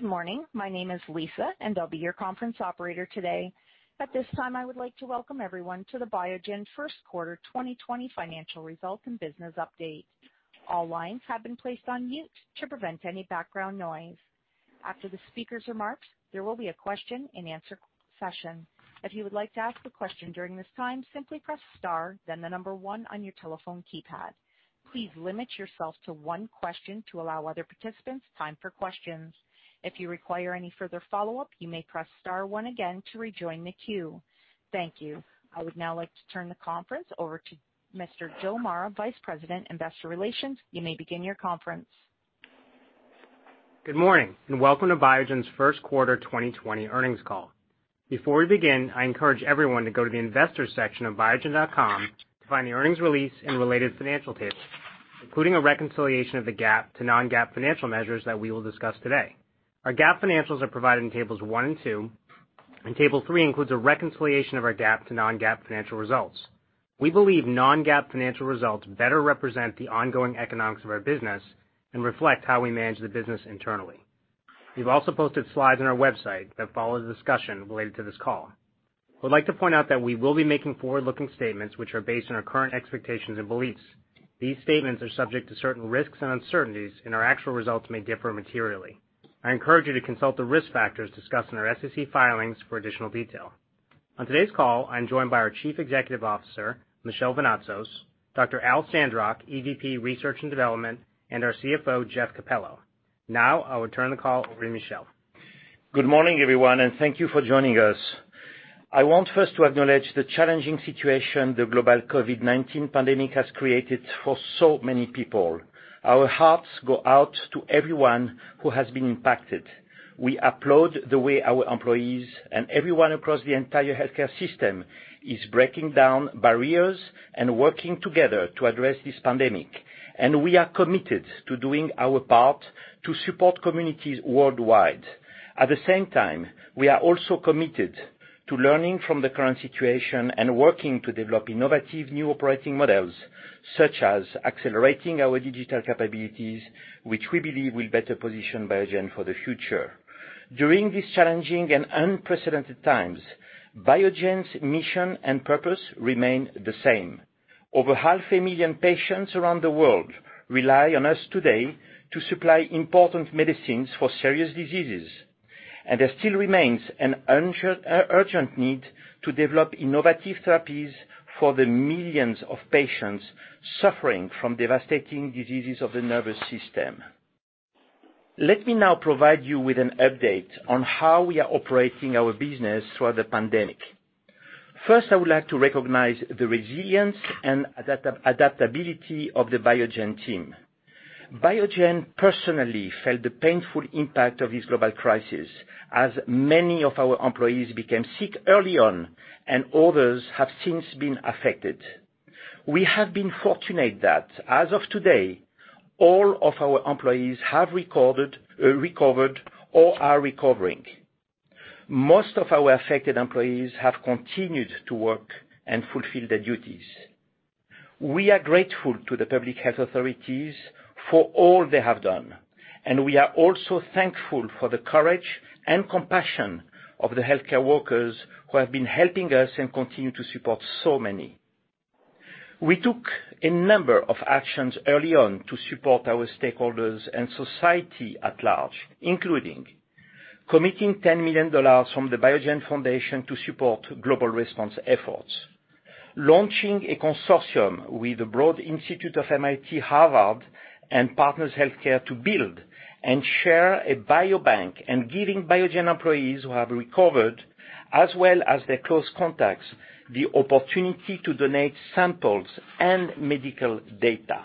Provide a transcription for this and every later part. Good morning. My name is Lisa, and I'll be your conference operator today. At this time, I would like to welcome everyone to the Biogen first quarter 2020 financial results and business update. All lines have been placed on mute to prevent any background noise. After the speaker's remarks, there will be a question-and-answer session. If you would like to ask a question during this time, simply press star then the number one on your telephone keypad. Please limit yourself to one question to allow other participants time for questions. If you require any further follow-up, you may press star one again to rejoin the queue. Thank you. I would now like to turn the conference over to Mr. Joe Mara, Vice President, Investor Relations. You may begin your conference. Good morning. Welcome to Biogen's first quarter 2020 earnings call. Before we begin, I encourage everyone to go to the investor section of biogen.com to find the earnings release and related financial tables, including a reconciliation of the GAAP to non-GAAP financial measures that we will discuss today. Our GAAP financials are provided in tables one and two. Table three includes a reconciliation of our GAAP to non-GAAP financial results. We believe non-GAAP financial results better represent the ongoing economics of our business and reflect how we manage the business internally. We've also posted slides on our website that follow the discussion related to this call. We'd like to point out that we will be making forward-looking statements, which are based on our current expectations and beliefs. These statements are subject to certain risks and uncertainties. Our actual results may differ materially. I encourage you to consult the risk factors discussed in our SEC filings for additional detail. On today's call, I'm joined by our Chief Executive Officer, Michel Vounatsos, Dr. Al Sandrock, EVP Research and Development, and our CFO, Jeff Capello. I will turn the call over to Michel. Good morning, everyone, and thank you for joining us. I want first to acknowledge the challenging situation the global COVID-19 pandemic has created for so many people. Our hearts go out to everyone who has been impacted. We applaud the way our employees and everyone across the entire healthcare system is breaking down barriers and working together to address this pandemic. We are committed to doing our part to support communities worldwide. At the same time, we are also committed to learning from the current situation and working to develop innovative new operating models, such as accelerating our digital capabilities, which we believe will better position Biogen for the future. During these challenging and unprecedented times, Biogen's mission and purpose remain the same. Over half a million patients around the world rely on us today to supply important medicines for serious diseases, and there still remains an urgent need to develop innovative therapies for the millions of patients suffering from devastating diseases of the nervous system. Let me now provide you with an update on how we are operating our business throughout the pandemic. First, I would like to recognize the resilience and adaptability of the Biogen team. Biogen personally felt the painful impact of this global crisis, as many of our employees became sick early on and others have since been affected. We have been fortunate that, as of today, all of our employees have recovered or are recovering. Most of our affected employees have continued to work and fulfill their duties. We are grateful to the public health authorities for all they have done, and we are also thankful for the courage and compassion of the healthcare workers who have been helping us and continue to support so many. We took a number of actions early on to support our stakeholders and society at large, including committing $10 million from the Biogen Foundation to support global response efforts. Launching a consortium with the Broad Institute of MIT, Harvard, and Partners HealthCare to build and share a biobank, and giving Biogen employees who have recovered, as well as their close contacts, the opportunity to donate samples and medical data.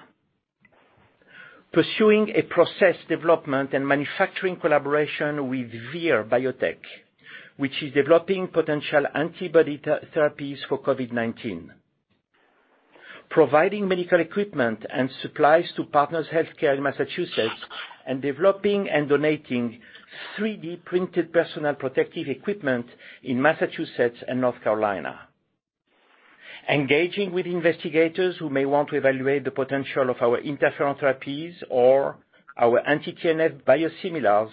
Pursuing a process development and manufacturing collaboration with Vir Biotech, which is developing potential antibody therapies for COVID-19. Providing medical equipment and supplies to Partners HealthCare in Massachusetts and developing and donating 3D-printed personal protective equipment in Massachusetts and North Carolina. Engaging with investigators who may want to evaluate the potential of our interferon therapies or our anti-TNF biosimilars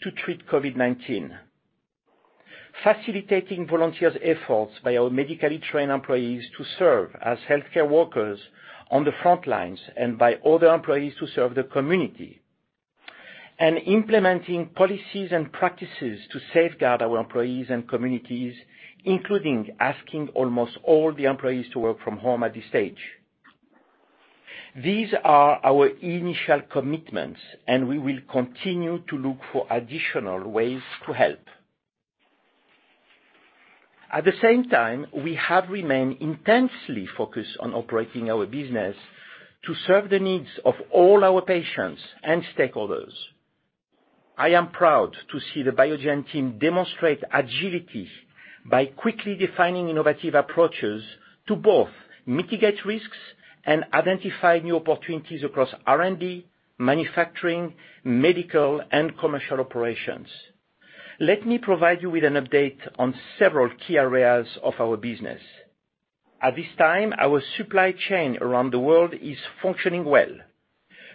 to treat COVID-19. Facilitating volunteers' efforts by our medically trained employees to serve as healthcare workers on the front lines and by other employees to serve the community. Implementing policies and practices to safeguard our employees and communities, including asking almost all the employees to work from home at this stage. These are our initial commitments, and we will continue to look for additional ways to help. At the same time, we have remained intensely focused on operating our business to serve the needs of all our patients and stakeholders. I am proud to see the Biogen team demonstrate agility by quickly defining innovative approaches to both mitigate risks and identify new opportunities across R&D, manufacturing, medical, and commercial operations. Let me provide you with an update on several key areas of our business. At this time, our supply chain around the world is functioning well.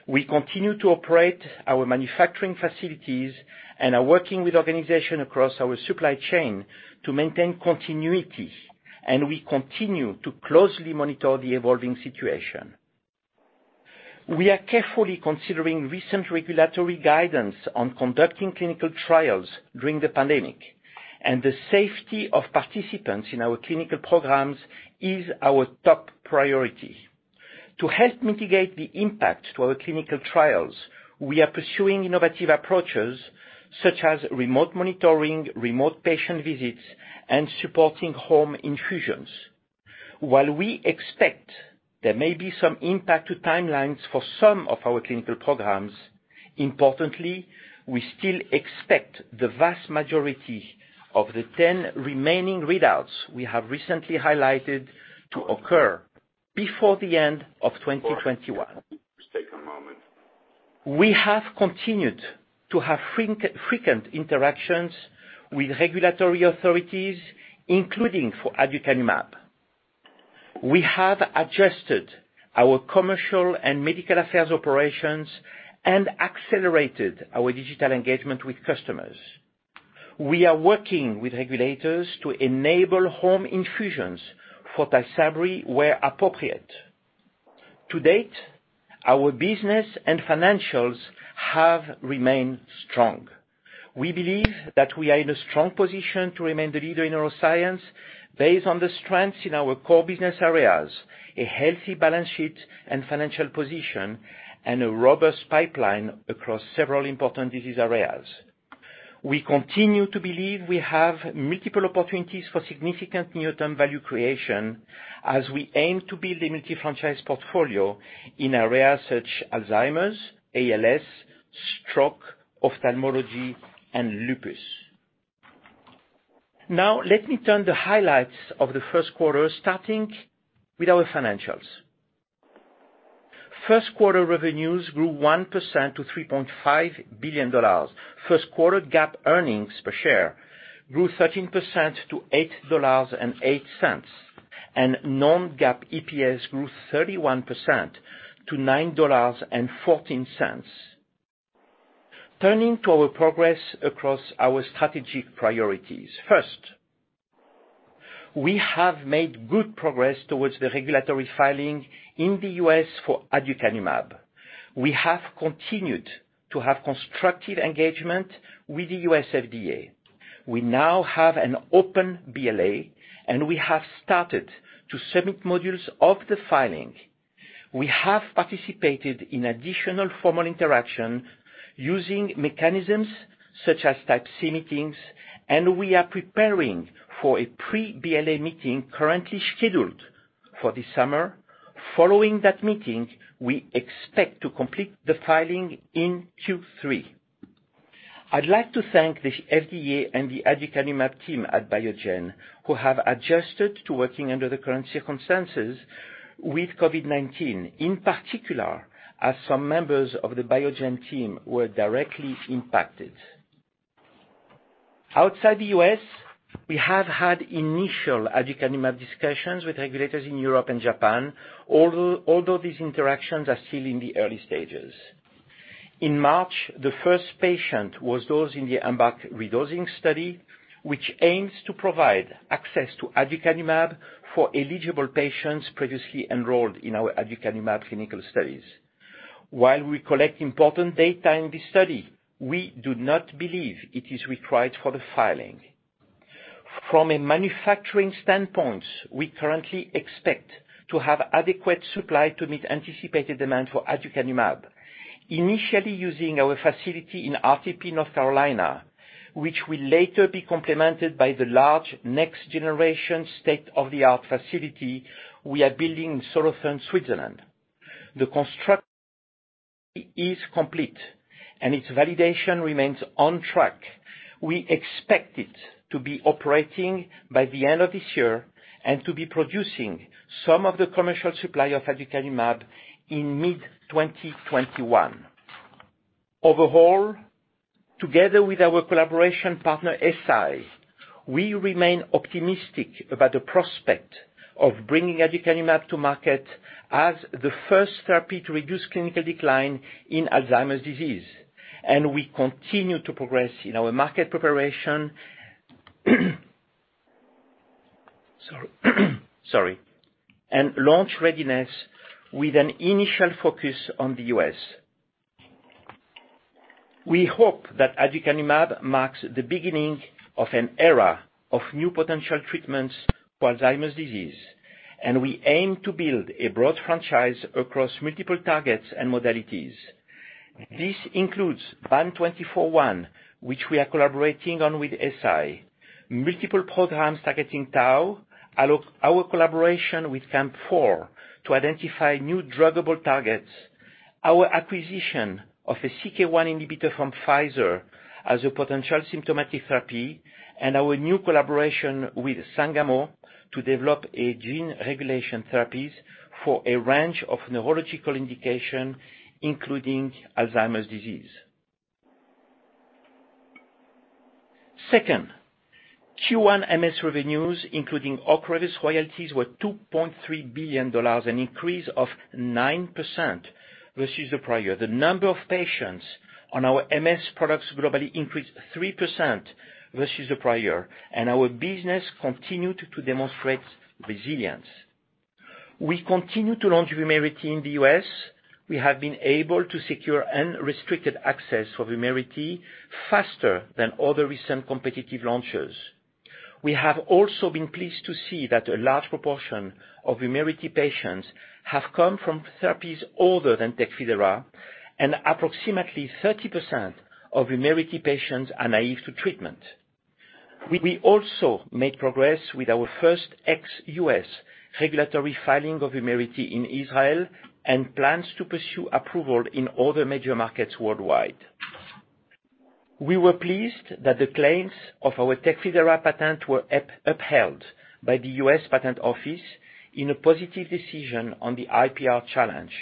We continue to operate our manufacturing facilities and are working with organizations across our supply chain to maintain continuity. We continue to closely monitor the evolving situation. We are carefully considering recent regulatory guidance on conducting clinical trials during the pandemic. The safety of participants in our clinical programs is our top priority. To help mitigate the impact to our clinical trials, we are pursuing innovative approaches such as remote monitoring, remote patient visits, and supporting home infusions. While we expect there may be some impact to timelines for some of our clinical programs, importantly, we still expect the vast majority of the 10 remaining readouts we have recently highlighted to occur before the end of 2021. We have continued to have frequent interactions with regulatory authorities, including for aducanumab. We have adjusted our commercial and medical affairs operations and accelerated our digital engagement with customers. We are working with regulators to enable home infusions for TYSABRI where appropriate. To date, our business and financials have remained strong. We believe that we are in a strong position to remain the leader in neuroscience based on the strengths in our core business areas, a healthy balance sheet and financial position, and a robust pipeline across several important disease areas. We continue to believe we have multiple opportunities for significant near-term value creation as we aim to build a multi-franchise portfolio in areas such as Alzheimer's, ALS, stroke, ophthalmology, and lupus. Let me turn to the highlights of the first quarter, starting with our financials. First quarter revenues grew 1% to $3.5 billion. First quarter GAAP earnings per share grew 13% to $8.08, and non-GAAP EPS grew 31% to $9.14. Turning to our progress across our strategic priorities. First, we have made good progress towards the regulatory filing in the U.S. for aducanumab. We have continued to have constructive engagement with the U.S. FDA. We now have an open BLA, and we have started to submit modules of the filing. We have participated in additional formal interaction using mechanisms such as Type C meetings, and we are preparing for a pre-BLA meeting currently scheduled for this summer. Following that meeting, we expect to complete the filing in Q3. I'd like to thank the FDA and the aducanumab team at Biogen, who have adjusted to working under the current circumstances with COVID-19, in particular, as some members of the Biogen team were directly impacted. Outside the U.S., we have had initial aducanumab discussions with regulators in Europe and Japan, although these interactions are still in the early stages. In March, the first patient was dosed in the EMBARK Redosing study, which aims to provide access to aducanumab for eligible patients previously enrolled in our aducanumab clinical studies. While we collect important data in this study, we do not believe it is required for the filing. From a manufacturing standpoint, we currently expect to have adequate supply to meet anticipated demand for aducanumab, initially using our facility in RTP, North Carolina, which will later be complemented by the large, next-generation state-of-the-art facility we are building in Solothurn, Switzerland. The construction is complete, and its validation remains on track. We expect it to be operating by the end of this year and to be producing some of the commercial supply of aducanumab in mid-2021. Overall, together with our collaboration partner, Eisai, we remain optimistic about the prospect of bringing aducanumab to market as the first therapy to reduce clinical decline in Alzheimer's disease. We continue to progress in our market preparation and launch readiness with an initial focus on the U.S. We hope that aducanumab marks the beginning of an era of new potential treatments for Alzheimer's disease. We aim to build a broad franchise across multiple targets and modalities. This includes BAN2401, which we are collaborating on with Eisai, multiple programs targeting tau, our collaboration with CAMP4 to identify new druggable targets. Our acquisition of a CK1 inhibitor from Pfizer as a potential symptomatic therapy and our new collaboration with Sangamo to develop gene regulation therapies for a range of neurological indication, including Alzheimer's disease. Second, Q1 MS revenues, including OCREVUS royalties, were $2.3 billion, an increase of 9% versus the prior. The number of patients on our MS products globally increased 3% versus the prior, and our business continued to demonstrate resilience. We continue to launch VUMERITY in the U.S. We have been able to secure unrestricted access for VUMERITY faster than other recent competitive launches. We have also been pleased to see that a large proportion of VUMERITY patients have come from therapies other than TECFIDERA, and approximately 30% of VUMERITY patients are naive to treatment. We also made progress with our first ex-U.S. regulatory filing of VUMERITY in Israel, and plans to pursue approval in other major markets worldwide. We were pleased that the claims of our TECFIDERA patent were upheld by the U.S. Patent Office in a positive decision on the IPR challenge.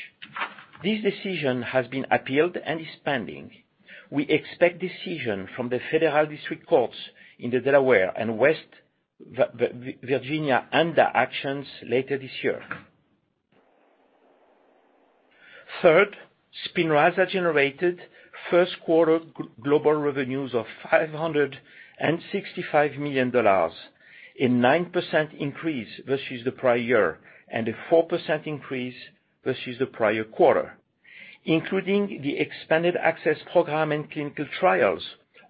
This decision has been appealed and is pending. We expect decision from the federal district courts in the Delaware and West Virginia ANDA actions later this year. Third, SPINRAZA generated first quarter global revenues of $565 million, a 9% increase versus the prior year, and a 4% increase versus the prior quarter. Including the expanded access program and clinical trials,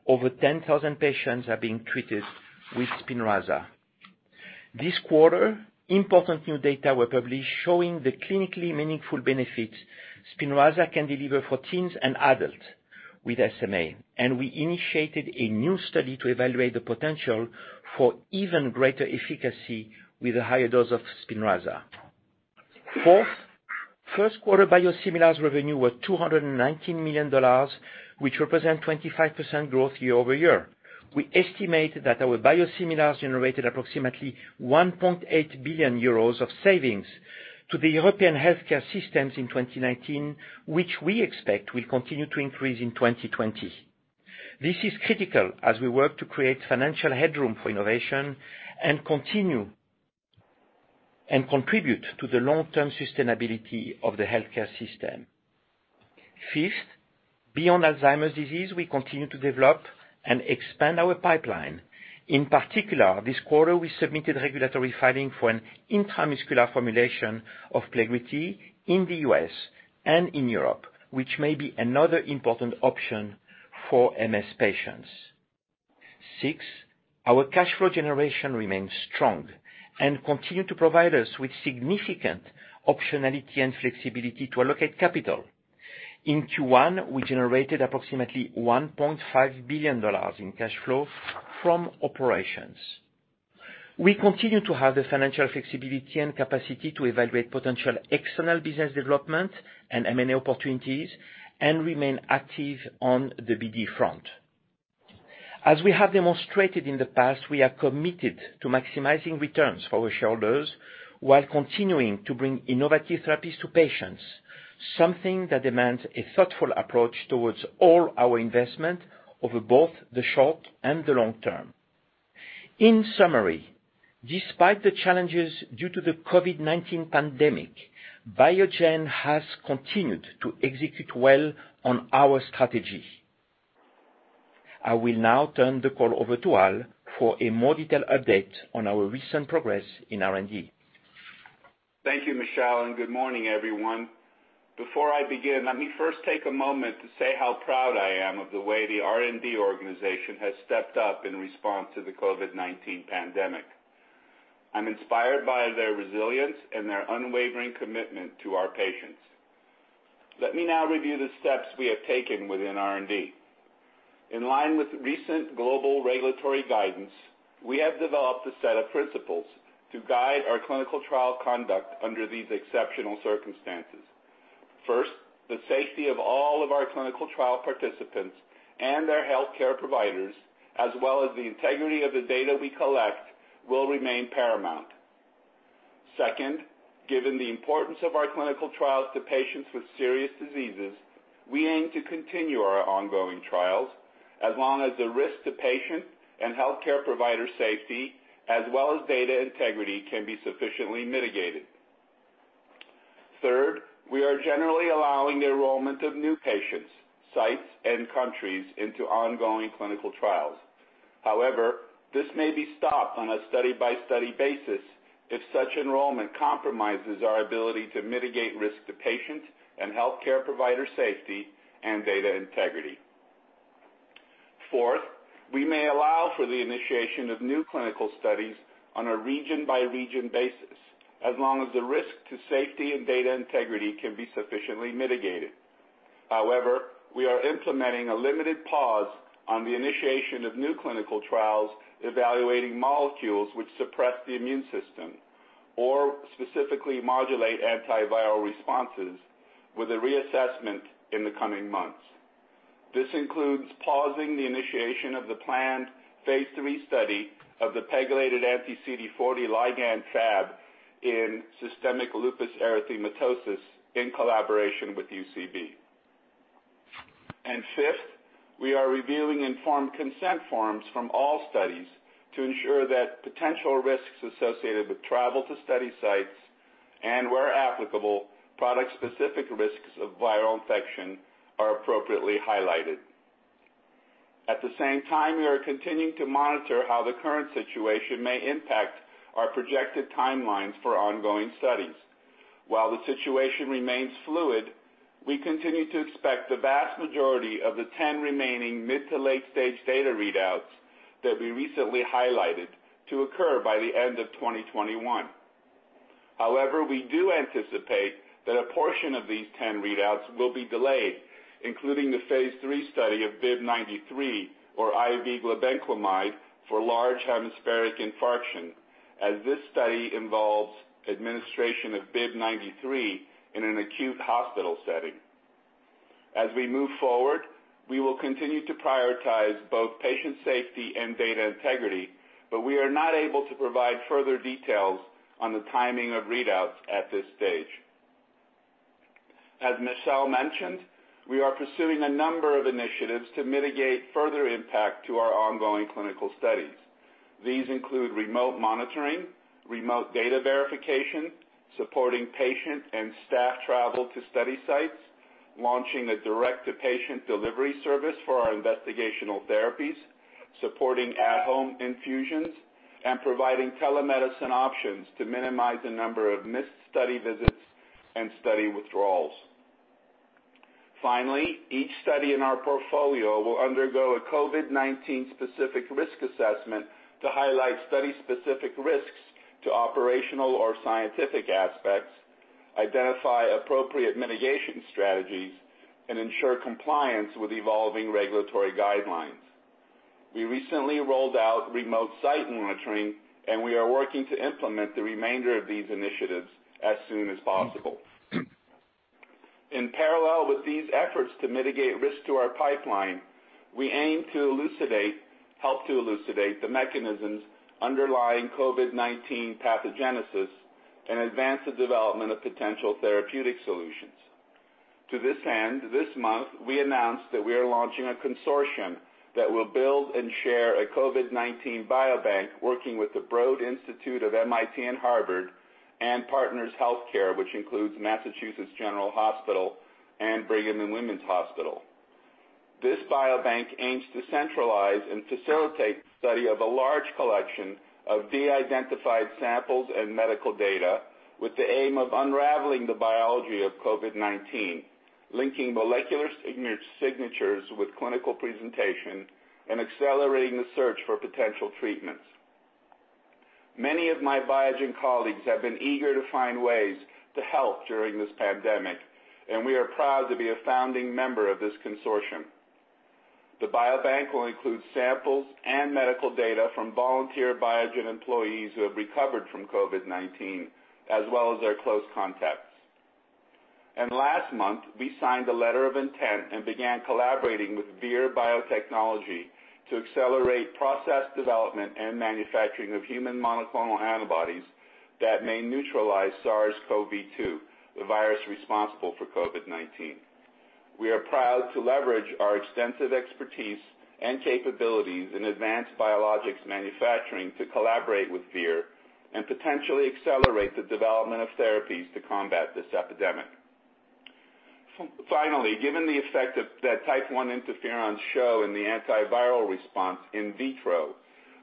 over 10,000 patients are being treated with SPINRAZA. This quarter, important new data were published showing the clinically meaningful benefits SPINRAZA can deliver for teens and adults with SMA, and we initiated a new study to evaluate the potential for even greater efficacy with a higher dose of SPINRAZA. Fourth, first quarter biosimilars revenue was $219 million, which represent 25% growth year-over-year. We estimate that our biosimilars generated approximately 1.8 billion euros of savings to the European healthcare systems in 2019, which we expect will continue to increase in 2020. This is critical as we work to create financial headroom for innovation and contribute to the long-term sustainability of the healthcare system. Fifth, beyond Alzheimer's disease, we continue to develop and expand our pipeline. In particular, this quarter, we submitted regulatory filing for an intramuscular formulation of PLEGRIDY in the U.S. and in Europe, which may be another important option for MS patients. Six, our cash flow generation remains strong and continue to provide us with significant optionality and flexibility to allocate capital. In Q1, we generated approximately $1.5 billion in cash flow from operations. We continue to have the financial flexibility and capacity to evaluate potential external business development and M&A opportunities. We remain active on the BD front. As we have demonstrated in the past, we are committed to maximizing returns for our shareholders while continuing to bring innovative therapies to patients, something that demands a thoughtful approach towards all our investment over both the short and the long term. In summary, despite the challenges due to the COVID-19 pandemic, Biogen has continued to execute well on our strategy. I will now turn the call over to Al for a more detailed update on our recent progress in R&D. Thank you, Michel. Good morning, everyone. Before I begin, let me first take a moment to say how proud I am of the way the R&D organization has stepped up in response to the COVID-19 pandemic. I'm inspired by their resilience and their unwavering commitment to our patients. Let me now review the steps we have taken within R&D. In line with recent global regulatory guidance, we have developed a set of principles to guide our clinical trial conduct under these exceptional circumstances. First, the safety of all of our clinical trial participants and their healthcare providers, as well as the integrity of the data we collect, will remain paramount. Second, given the importance of our clinical trials to patients with serious diseases, we aim to continue our ongoing trials as long as the risk to patient and healthcare provider safety, as well as data integrity, can be sufficiently mitigated. Third, we are generally allowing the enrollment of new patients, sites, and countries into ongoing clinical trials. However, this may be stopped on a study-by-study basis if such enrollment compromises our ability to mitigate risk to patients and healthcare provider safety and data integrity. Fourth, we may allow for the initiation of new clinical studies on a region-by-region basis, as long as the risk to safety and data integrity can be sufficiently mitigated. We are implementing a limited pause on the initiation of new clinical trials evaluating molecules which suppress the immune system, or specifically modulate antiviral responses with a reassessment in the coming months. This includes pausing the initiation of the planned phase III study of the pegylated anti-CD40 ligand Fab in systemic lupus erythematosus in collaboration with UCB. Fifth, we are reviewing informed consent forms from all studies to ensure that potential risks associated with travel to study sites and, where applicable, product-specific risks of viral infection are appropriately highlighted. At the same time, we are continuing to monitor how the current situation may impact our projected timelines for ongoing studies. While the situation remains fluid, we continue to expect the vast majority of the 10 remaining mid to late-stage data readouts that we recently highlighted to occur by the end of 2021. We do anticipate that a portion of these 10 readouts will be delayed, including the phase III study of BIIB093 or IV glibenclamide for large hemispheric infarction, as this study involves administration of BIIB093 in an acute hospital setting. As we move forward, we will continue to prioritize both patient safety and data integrity. We are not able to provide further details on the timing of readouts at this stage. As Michel mentioned, we are pursuing a number of initiatives to mitigate further impact to our ongoing clinical studies. These include remote monitoring, remote data verification, supporting patient and staff travel to study sites, launching a direct-to-patient delivery service for our investigational therapies, supporting at-home infusions, and providing telemedicine options to minimize the number of missed study visits and study withdrawals. Finally, each study in our portfolio will undergo a COVID-19 specific risk assessment to highlight study specific risks to operational or scientific aspects, identify appropriate mitigation strategies, and ensure compliance with evolving regulatory guidelines. We recently rolled out remote site monitoring, and we are working to implement the remainder of these initiatives as soon as possible. In parallel with these efforts to mitigate risk to our pipeline, we aim to help to elucidate the mechanisms underlying COVID-19 pathogenesis and advance the development of potential therapeutic solutions. To this end, this month, we announced that we are launching a consortium that will build and share a COVID-19 biobank working with the Broad Institute of MIT and Harvard, and Partners HealthCare, which includes Massachusetts General Hospital and Brigham and Women's Hospital. This biobank aims to centralize and facilitate the study of a large collection of de-identified samples and medical data with the aim of unraveling the biology of COVID-19, linking molecular signatures with clinical presentation, and accelerating the search for potential treatments. We are proud to be a founding member of this consortium. The biobank will include samples and medical data from volunteer Biogen employees who have recovered from COVID-19, as well as their close contacts. Last month, we signed a letter of intent and began collaborating with Vir Biotechnology to accelerate process development and manufacturing of human monoclonal antibodies that may neutralize SARS-CoV-2, the virus responsible for COVID-19. We are proud to leverage our extensive expertise and capabilities in advanced biologics manufacturing to collaborate with Vir and potentially accelerate the development of therapies to combat this epidemic. Given the effect that type I interferons show in the antiviral response in vitro,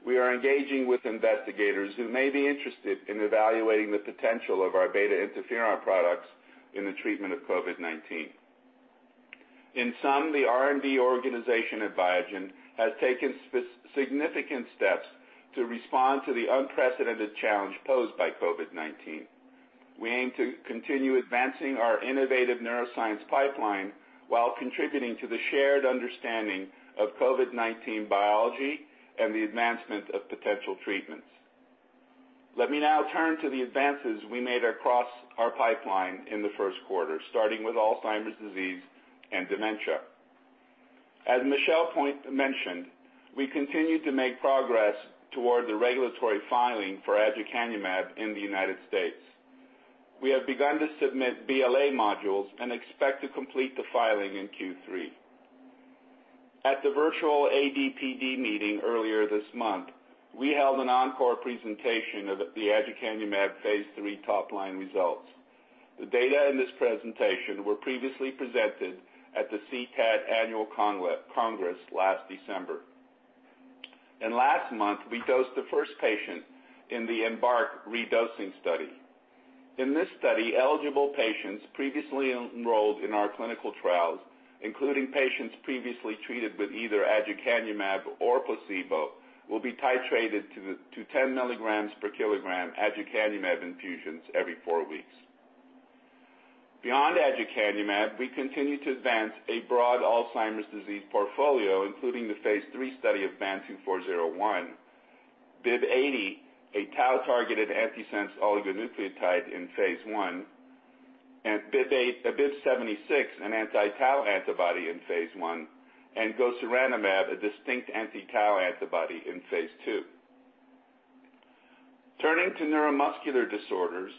we are engaging with investigators who may be interested in evaluating the potential of our beta interferon products in the treatment of COVID-19. The R&D organization at Biogen has taken significant steps to respond to the unprecedented challenge posed by COVID-19. We aim to continue advancing our innovative neuroscience pipeline while contributing to the shared understanding of COVID-19 biology and the advancement of potential treatments. Let me now turn to the advances we made across our pipeline in the first quarter, starting with Alzheimer's disease and dementia. As Michel mentioned, we continue to make progress toward the regulatory filing for aducanumab in the U.S. We have begun to submit BLA modules and expect to complete the filing in Q3. At the virtual ADPD meeting earlier this month, we held an encore presentation of the aducanumab phase III top-line results. The data in this presentation were previously presented at the CTAD Annual Congress last December. Last month, we dosed the first patient in the EMBARK Redosing study. In this study, eligible patients previously enrolled in our clinical trials, including patients previously treated with either aducanumab or placebo, will be titrated to 10 milligrams per kilogram aducanumab infusions every four weeks. Beyond aducanumab, we continue to advance a broad Alzheimer's disease portfolio, including the phase III study of BAN2401, BIIB080, a tau-targeted antisense oligonucleotide in phase I, BIIB076, an anti-tau antibody in phase I, and gosuranemab, a distinct anti-tau antibody in phase II. Turning to neuromuscular disorders.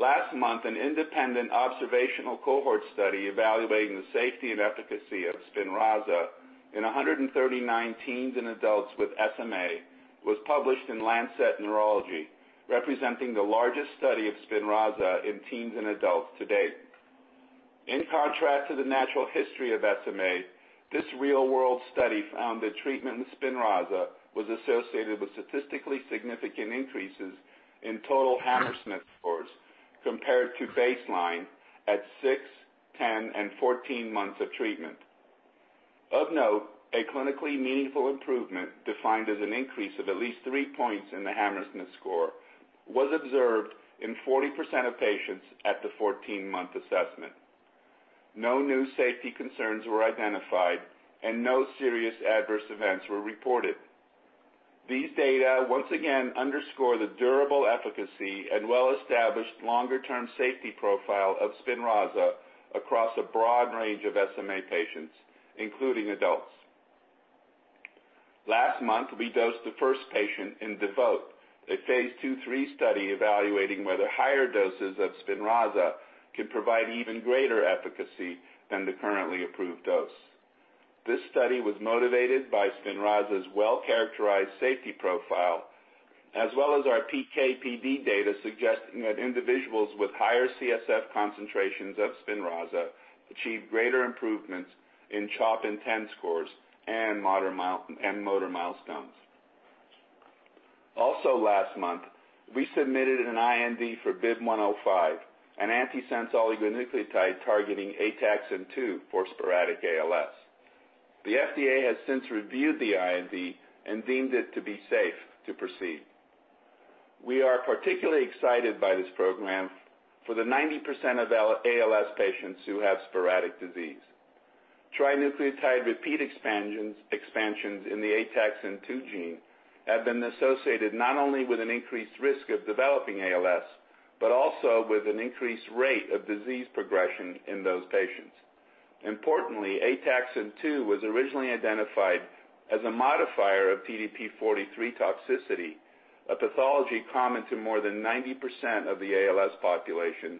Last month, an independent observational cohort study evaluating the safety and efficacy of SPINRAZA in 139 teens and adults with SMA was published in "The Lancet Neurology", representing the largest study of SPINRAZA in teens and adults to date. In contrast to the natural history of SMA, this real-world study found that treatment with SPINRAZA was associated with statistically significant increases in total Hammersmith scores compared to baseline at six, 10, and 14 months of treatment. Of note, a clinically meaningful improvement, defined as an increase of at least three points in the Hammersmith score, was observed in 40% of patients at the 14-month assessment. No new safety concerns were identified, and no serious adverse events were reported. These data once again underscore the durable efficacy and well-established longer-term safety profile of SPINRAZA across a broad range of SMA patients, including adults. Last month, we dosed the first patient in DEVOTE, a phase II/III study evaluating whether higher doses of SPINRAZA can provide even greater efficacy than the currently approved dose. This study was motivated by SPINRAZA's well-characterized safety profile, as well as our PK/PD data suggesting that individuals with higher CSF concentrations of SPINRAZA achieve greater improvements in CHOP INTEND scores and motor milestones. Also last month, we submitted an IND for BIIB105, an antisense oligonucleotide targeting ataxin-2 for sporadic ALS. The FDA has since reviewed the IND and deemed it to be safe to proceed. We are particularly excited by this program for the 90% of ALS patients who have sporadic disease. Trinucleotide repeat expansions in the ataxin-2 gene have been associated not only with an increased risk of developing ALS, but also with an increased rate of disease progression in those patients. Importantly, ataxin-2 was originally identified as a modifier of TDP-43 toxicity, a pathology common to more than 90% of the ALS population,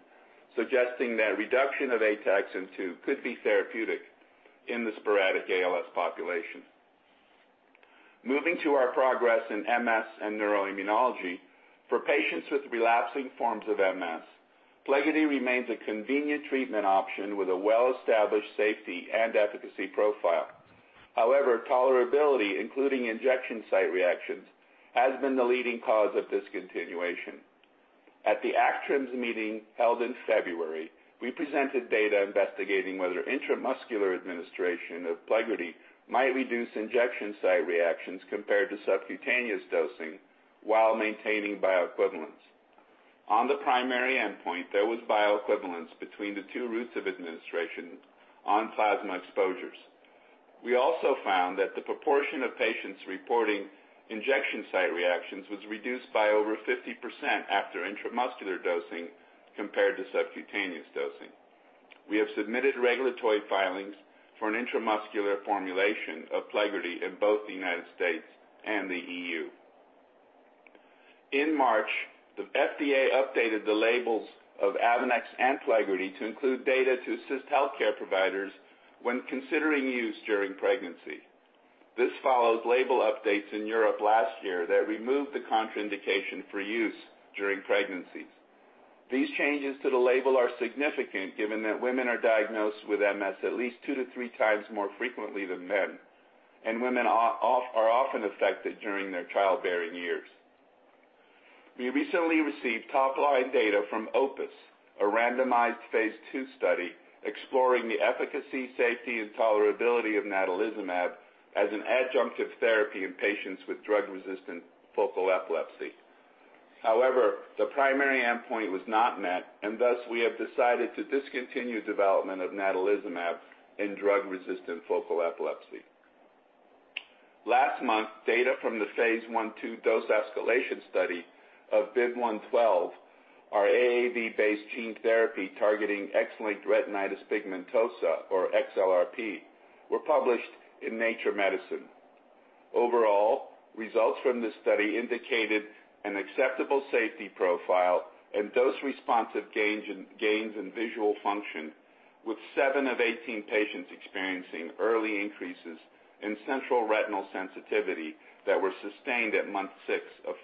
suggesting that reduction of ataxin-2 could be therapeutic in the sporadic ALS population. Moving to our progress in MS and neuroimmunology. For patients with relapsing forms of MS, PLEGRIDY remains a convenient treatment option with a well-established safety and efficacy profile. Tolerability, including injection site reactions, has been the leading cause of discontinuation. At the ACTRIMS meeting held in February, we presented data investigating whether intramuscular administration of PLEGRIDY might reduce injection site reactions compared to subcutaneous dosing while maintaining bioequivalence. On the primary endpoint, there was bioequivalence between the two routes of administration on plasma exposures. We also found that the proportion of patients reporting injection site reactions was reduced by over 50% after intramuscular dosing compared to subcutaneous dosing. We have submitted regulatory filings for an intramuscular formulation of PLEGRIDY in both the U.S. and the EU. In March, the FDA updated the labels of AVONEX and PLEGRIDY to include data to assist healthcare providers when considering use during pregnancy. This follows label updates in Europe last year that removed the contraindication for use during pregnancies. These changes to the label are significant given that women are diagnosed with MS at least two to three times more frequently than men, and women are often affected during their childbearing years. We recently received top-line data from OPUS, a randomized Phase II study exploring the efficacy, safety, and tolerability of natalizumab as an adjunctive therapy in patients with drug-resistant focal epilepsy. However, the primary endpoint was not met, and thus, we have decided to discontinue development of natalizumab in drug-resistant focal epilepsy. Last month, data from the Phase I/II dose escalation study of BIIB112, our AAV-based gene therapy targeting X-linked retinitis pigmentosa or XLRP, were published in "Nature Medicine". Overall, results from this study indicated an acceptable safety profile and dose-responsive gains in visual function, with seven of 18 patients experiencing early increases in central retinal sensitivity that were sustained at month six of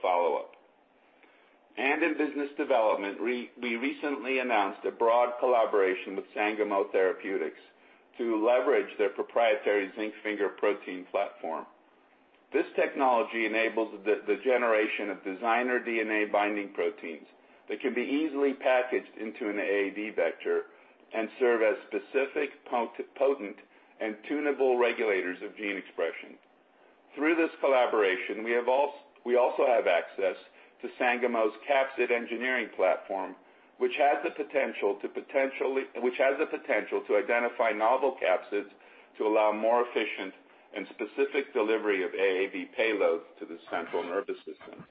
follow-up. In business development, we recently announced a broad collaboration with Sangamo Therapeutics to leverage their proprietary zinc finger protein platform. This technology enables the generation of designer DNA-binding proteins that can be easily packaged into an AAV vector and serve as specific, potent, and tunable regulators of gene expression. Through this collaboration, we also have access to Sangamo's capsid engineering platform, which has the potential to identify novel capsids to allow more efficient and specific delivery of AAV payloads to the central nervous system.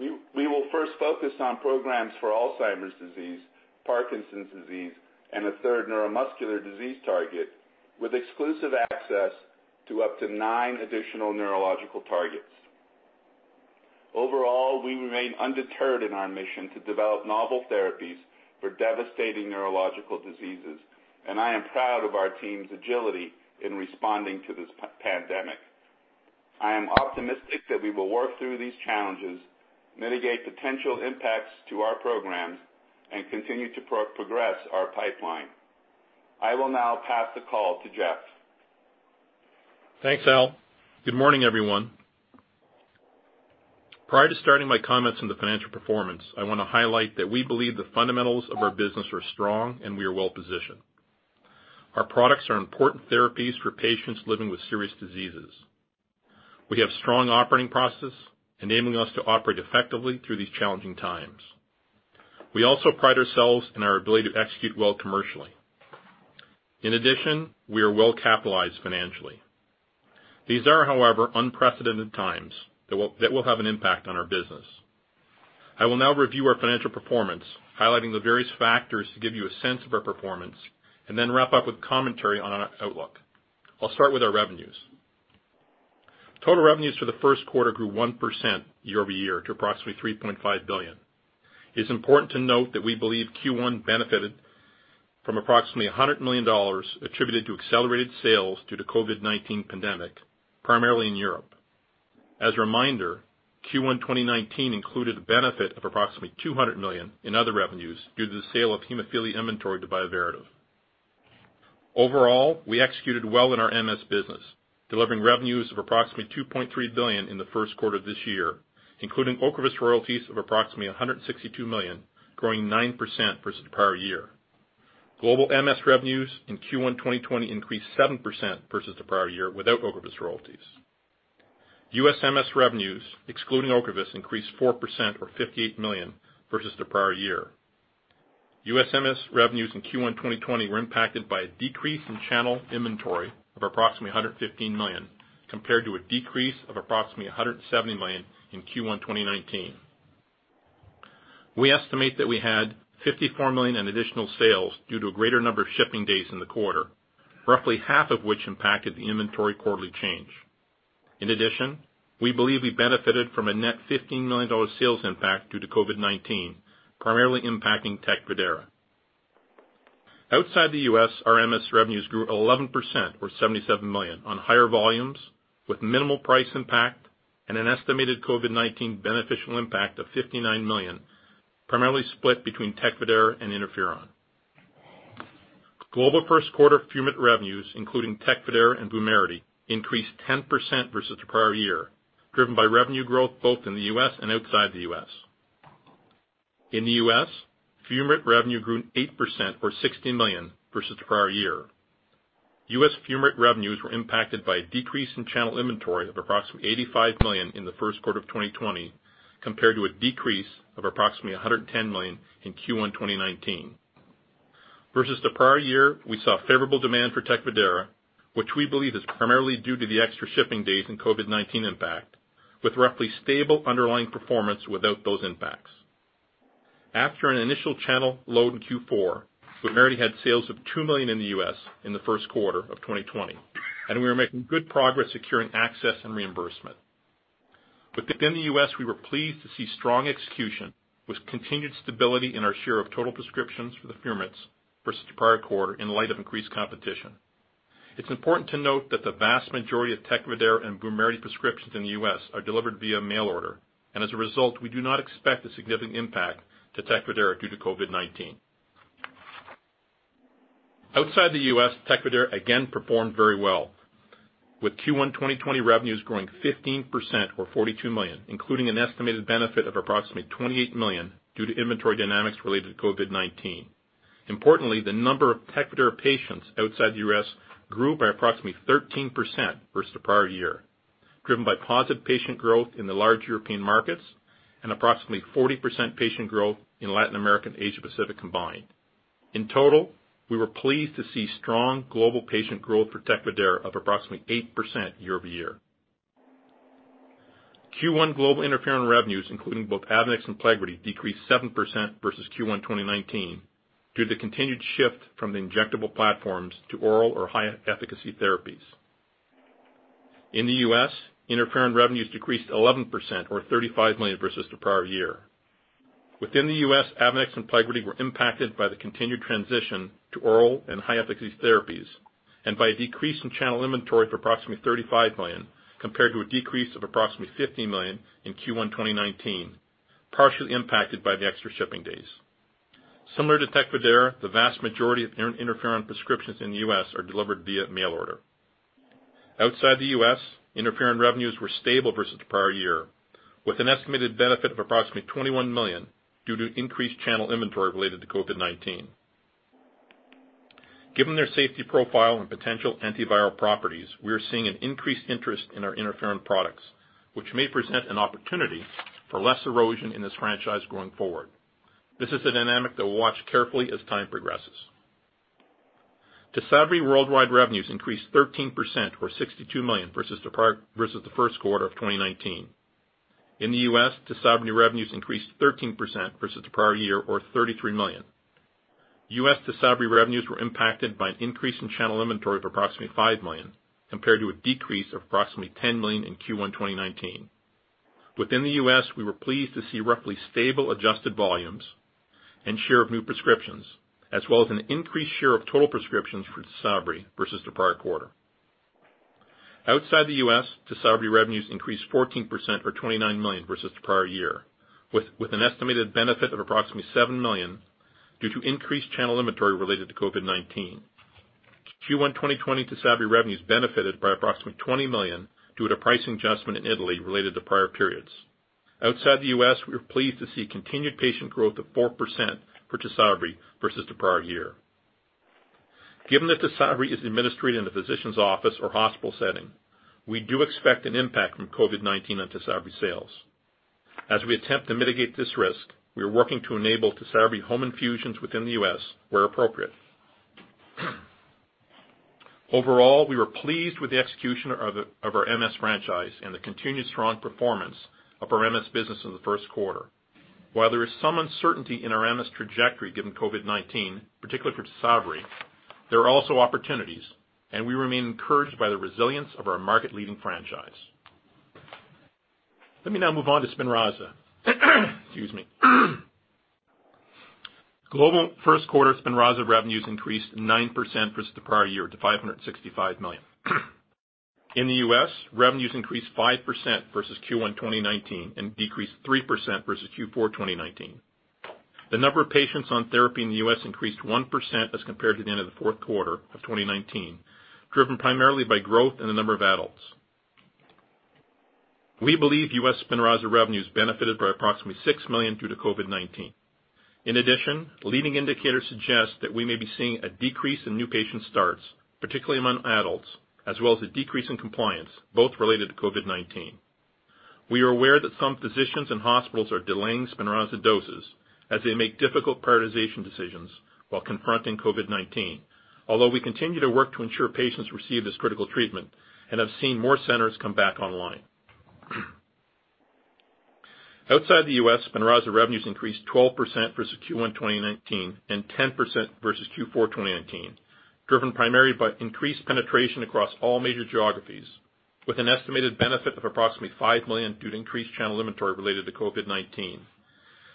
We will first focus on programs for Alzheimer's disease, Parkinson's disease, and a third neuromuscular disease target with exclusive access to up to nine additional neurological targets. Overall, we remain undeterred in our mission to develop novel therapies for devastating neurological diseases, and I am proud of our team's agility in responding to this pandemic. I am optimistic that we will work through these challenges, mitigate potential impacts to our programs, and continue to progress our pipeline. I will now pass the call to Jeff. Thanks, Al. Good morning, everyone. Prior to starting my comments on the financial performance, I want to highlight that we believe the fundamentals of our business are strong, we are well-positioned. Our products are important therapies for patients living with serious diseases. We have strong operating processes enabling us to operate effectively through these challenging times. We also pride ourselves in our ability to execute well commercially. In addition, we are well-capitalized financially. These are, however, unprecedented times that will have an impact on our business. I will now review our financial performance, highlighting the various factors to give you a sense of our performance, wrap up with commentary on our outlook. I'll start with our revenues. Total revenues for the first quarter grew 1% year-over-year to approximately $3.5 billion. It's important to note that we believe Q1 benefited from approximately $100 million attributed to accelerated sales due to COVID-19 pandemic, primarily in Europe. As a reminder, Q1 2019 included a benefit of approximately $200 million in other revenues due to the sale of hemophilia inventory to Bioverativ. Overall, we executed well in our MS business, delivering revenues of approximately $2.3 billion in the first quarter of this year, including OCREVUS royalties of approximately $162 million, growing 9% versus the prior year. Global MS revenues in Q1 2020 increased 7% versus the prior year without OCREVUS royalties. U.S. MS revenues, excluding OCREVUS, increased 4% or $58 million versus the prior year. U.S. MS revenues in Q1 2020 were impacted by a decrease in channel inventory of approximately $115 million, compared to a decrease of approximately $170 million in Q1 2019. We estimate that we had $54 million in additional sales due to a greater number of shipping days in the quarter, roughly half of which impacted the inventory quarterly change. In addition, we believe we benefited from a net $15 million sales impact due to COVID-19, primarily impacting TECFIDERA. Outside the U.S., our MS revenues grew 11% or $77 million on higher volumes with minimal price impact and an estimated COVID-19 beneficial impact of $59 million, primarily split between TECFIDERA and interferon. Global first-quarter fumarate revenues, including TECFIDERA and VUMERITY, increased 10% versus the prior year, driven by revenue growth both in the U.S. and outside the U.S. In the U.S., fumarate revenue grew 8% or $60 million versus the prior year. U.S. fumarate revenues were impacted by a decrease in channel inventory of approximately $85 million in the first quarter of 2020, compared to a decrease of approximately $110 million in Q1 2019. Versus the prior year, we saw favorable demand for TECFIDERA, which we believe is primarily due to the extra shipping days and COVID-19 impact, with roughly stable underlying performance without those impacts. After an initial channel load in Q4, VUMERITY had sales of $2 million in the U.S. in the first quarter of 2020, and we are making good progress securing access and reimbursement. Within the U.S., we were pleased to see strong execution with continued stability in our share of total prescriptions for the fumarates versus the prior quarter in light of increased competition. It's important to note that the vast majority of TECFIDERA and VUMERITY prescriptions in the U.S. are delivered via mail order. As a result, we do not expect a significant impact to TECFIDERA due to COVID-19. Outside the U.S., TECFIDERA again performed very well, with Q1 2020 revenues growing 15% or $42 million, including an estimated benefit of approximately $28 million due to inventory dynamics related to COVID-19. Importantly, the number of TECFIDERA patients outside the U.S. grew by approximately 13% versus the prior year, driven by positive patient growth in the large European markets and approximately 40% patient growth in Latin America and Asia Pacific combined. In total, we were pleased to see strong global patient growth for TECFIDERA of approximately 8% year-over-year. Q1 global interferon revenues, including both AVONEX and PLEGRIDY, decreased 7% versus Q1 2019 due to the continued shift from the injectable platforms to oral or high-efficacy therapies. In the U.S., interferon revenues decreased 11% or $35 million versus the prior year. Within the U.S., AVONEX and PLEGRIDY were impacted by the continued transition to oral and high-efficacy therapies and by a decrease in channel inventory of approximately $35 million compared to a decrease of approximately $15 million in Q1 2019, partially impacted by the extra shipping days. Similar to TECFIDERA, the vast majority of interferon prescriptions in the U.S. are delivered via mail order. Outside the U.S., interferon revenues were stable versus the prior year, with an estimated benefit of approximately $21 million due to increased channel inventory related to COVID-19. Given their safety profile and potential antiviral properties, we are seeing an increased interest in our interferon products, which may present an opportunity for less erosion in this franchise going forward. This is a dynamic that we'll watch carefully as time progresses. TYSABRI worldwide revenues increased 13%, or $62 million, versus the first quarter of 2019. In the U.S., TYSABRI revenues increased 13% versus the prior year, or $33 million. U.S. TYSABRI revenues were impacted by an increase in channel inventory of approximately $5 million, compared to a decrease of approximately $10 million in Q1 2019. Within the U.S., we were pleased to see roughly stable adjusted volumes and share of new prescriptions, as well as an increased share of total prescriptions for TYSABRI versus the prior quarter. Outside the U.S., TYSABRI revenues increased 14%, or $29 million, versus the prior year, with an estimated benefit of approximately $7 million due to increased channel inventory related to COVID-19. Q1 2020 TYSABRI revenues benefited by approximately $20 million due to pricing adjustment in Italy related to prior periods. Outside the U.S., we were pleased to see continued patient growth of 4% for TYSABRI versus the prior year. Given that TYSABRI is administered in a physician's office or hospital setting, we do expect an impact from COVID-19 on TYSABRI sales. As we attempt to mitigate this risk, we are working to enable TYSABRI home infusions within the U.S. where appropriate. Overall, we were pleased with the execution of our MS franchise and the continued strong performance of our MS business in the first quarter. While there is some uncertainty in our MS trajectory given COVID-19, particularly for TYSABRI, there are also opportunities, and we remain encouraged by the resilience of our market-leading franchise. Let me now move on to SPINRAZA. Global first quarter SPINRAZA revenues increased 9% versus the prior year to $565 million. In the U.S., revenues increased 5% versus Q1 2019 and decreased 3% versus Q4 2019. The number of patients on therapy in the U.S. increased 1% as compared to the end of the fourth quarter of 2019, driven primarily by growth in the number of adults. We believe U.S. SPINRAZA revenues benefited by approximately $6 million due to COVID-19. Leading indicators suggest that we may be seeing a decrease in new patient starts, particularly among adults, as well as a decrease in compliance, both related to COVID-19. We are aware that some physicians and hospitals are delaying SPINRAZA doses as they make difficult prioritization decisions while confronting COVID-19, although we continue to work to ensure patients receive this critical treatment and have seen more centers come back online. Outside the U.S., SPINRAZA revenues increased 12% versus Q1 2019 and 10% versus Q4 2019, driven primarily by increased penetration across all major geographies, with an estimated benefit of approximately $5 million due to increased channel inventory related to COVID-19.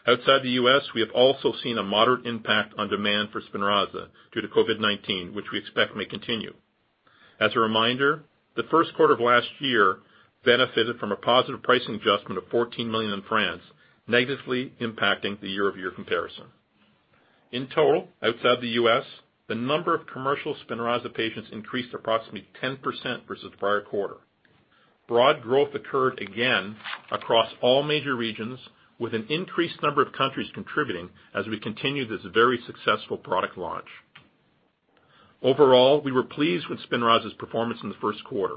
Outside the U.S., we have also seen a moderate impact on demand for SPINRAZA due to COVID-19, which we expect may continue. As a reminder, the first quarter of last year benefited from a positive pricing adjustment of $14 million in France, negatively impacting the year-over-year comparison. In total, outside the U.S., the number of commercial SPINRAZA patients increased approximately 10% versus the prior quarter. Broad growth occurred again across all major regions, with an increased number of countries contributing as we continue this very successful product launch. Overall, we were pleased with SPINRAZA's performance in the first quarter.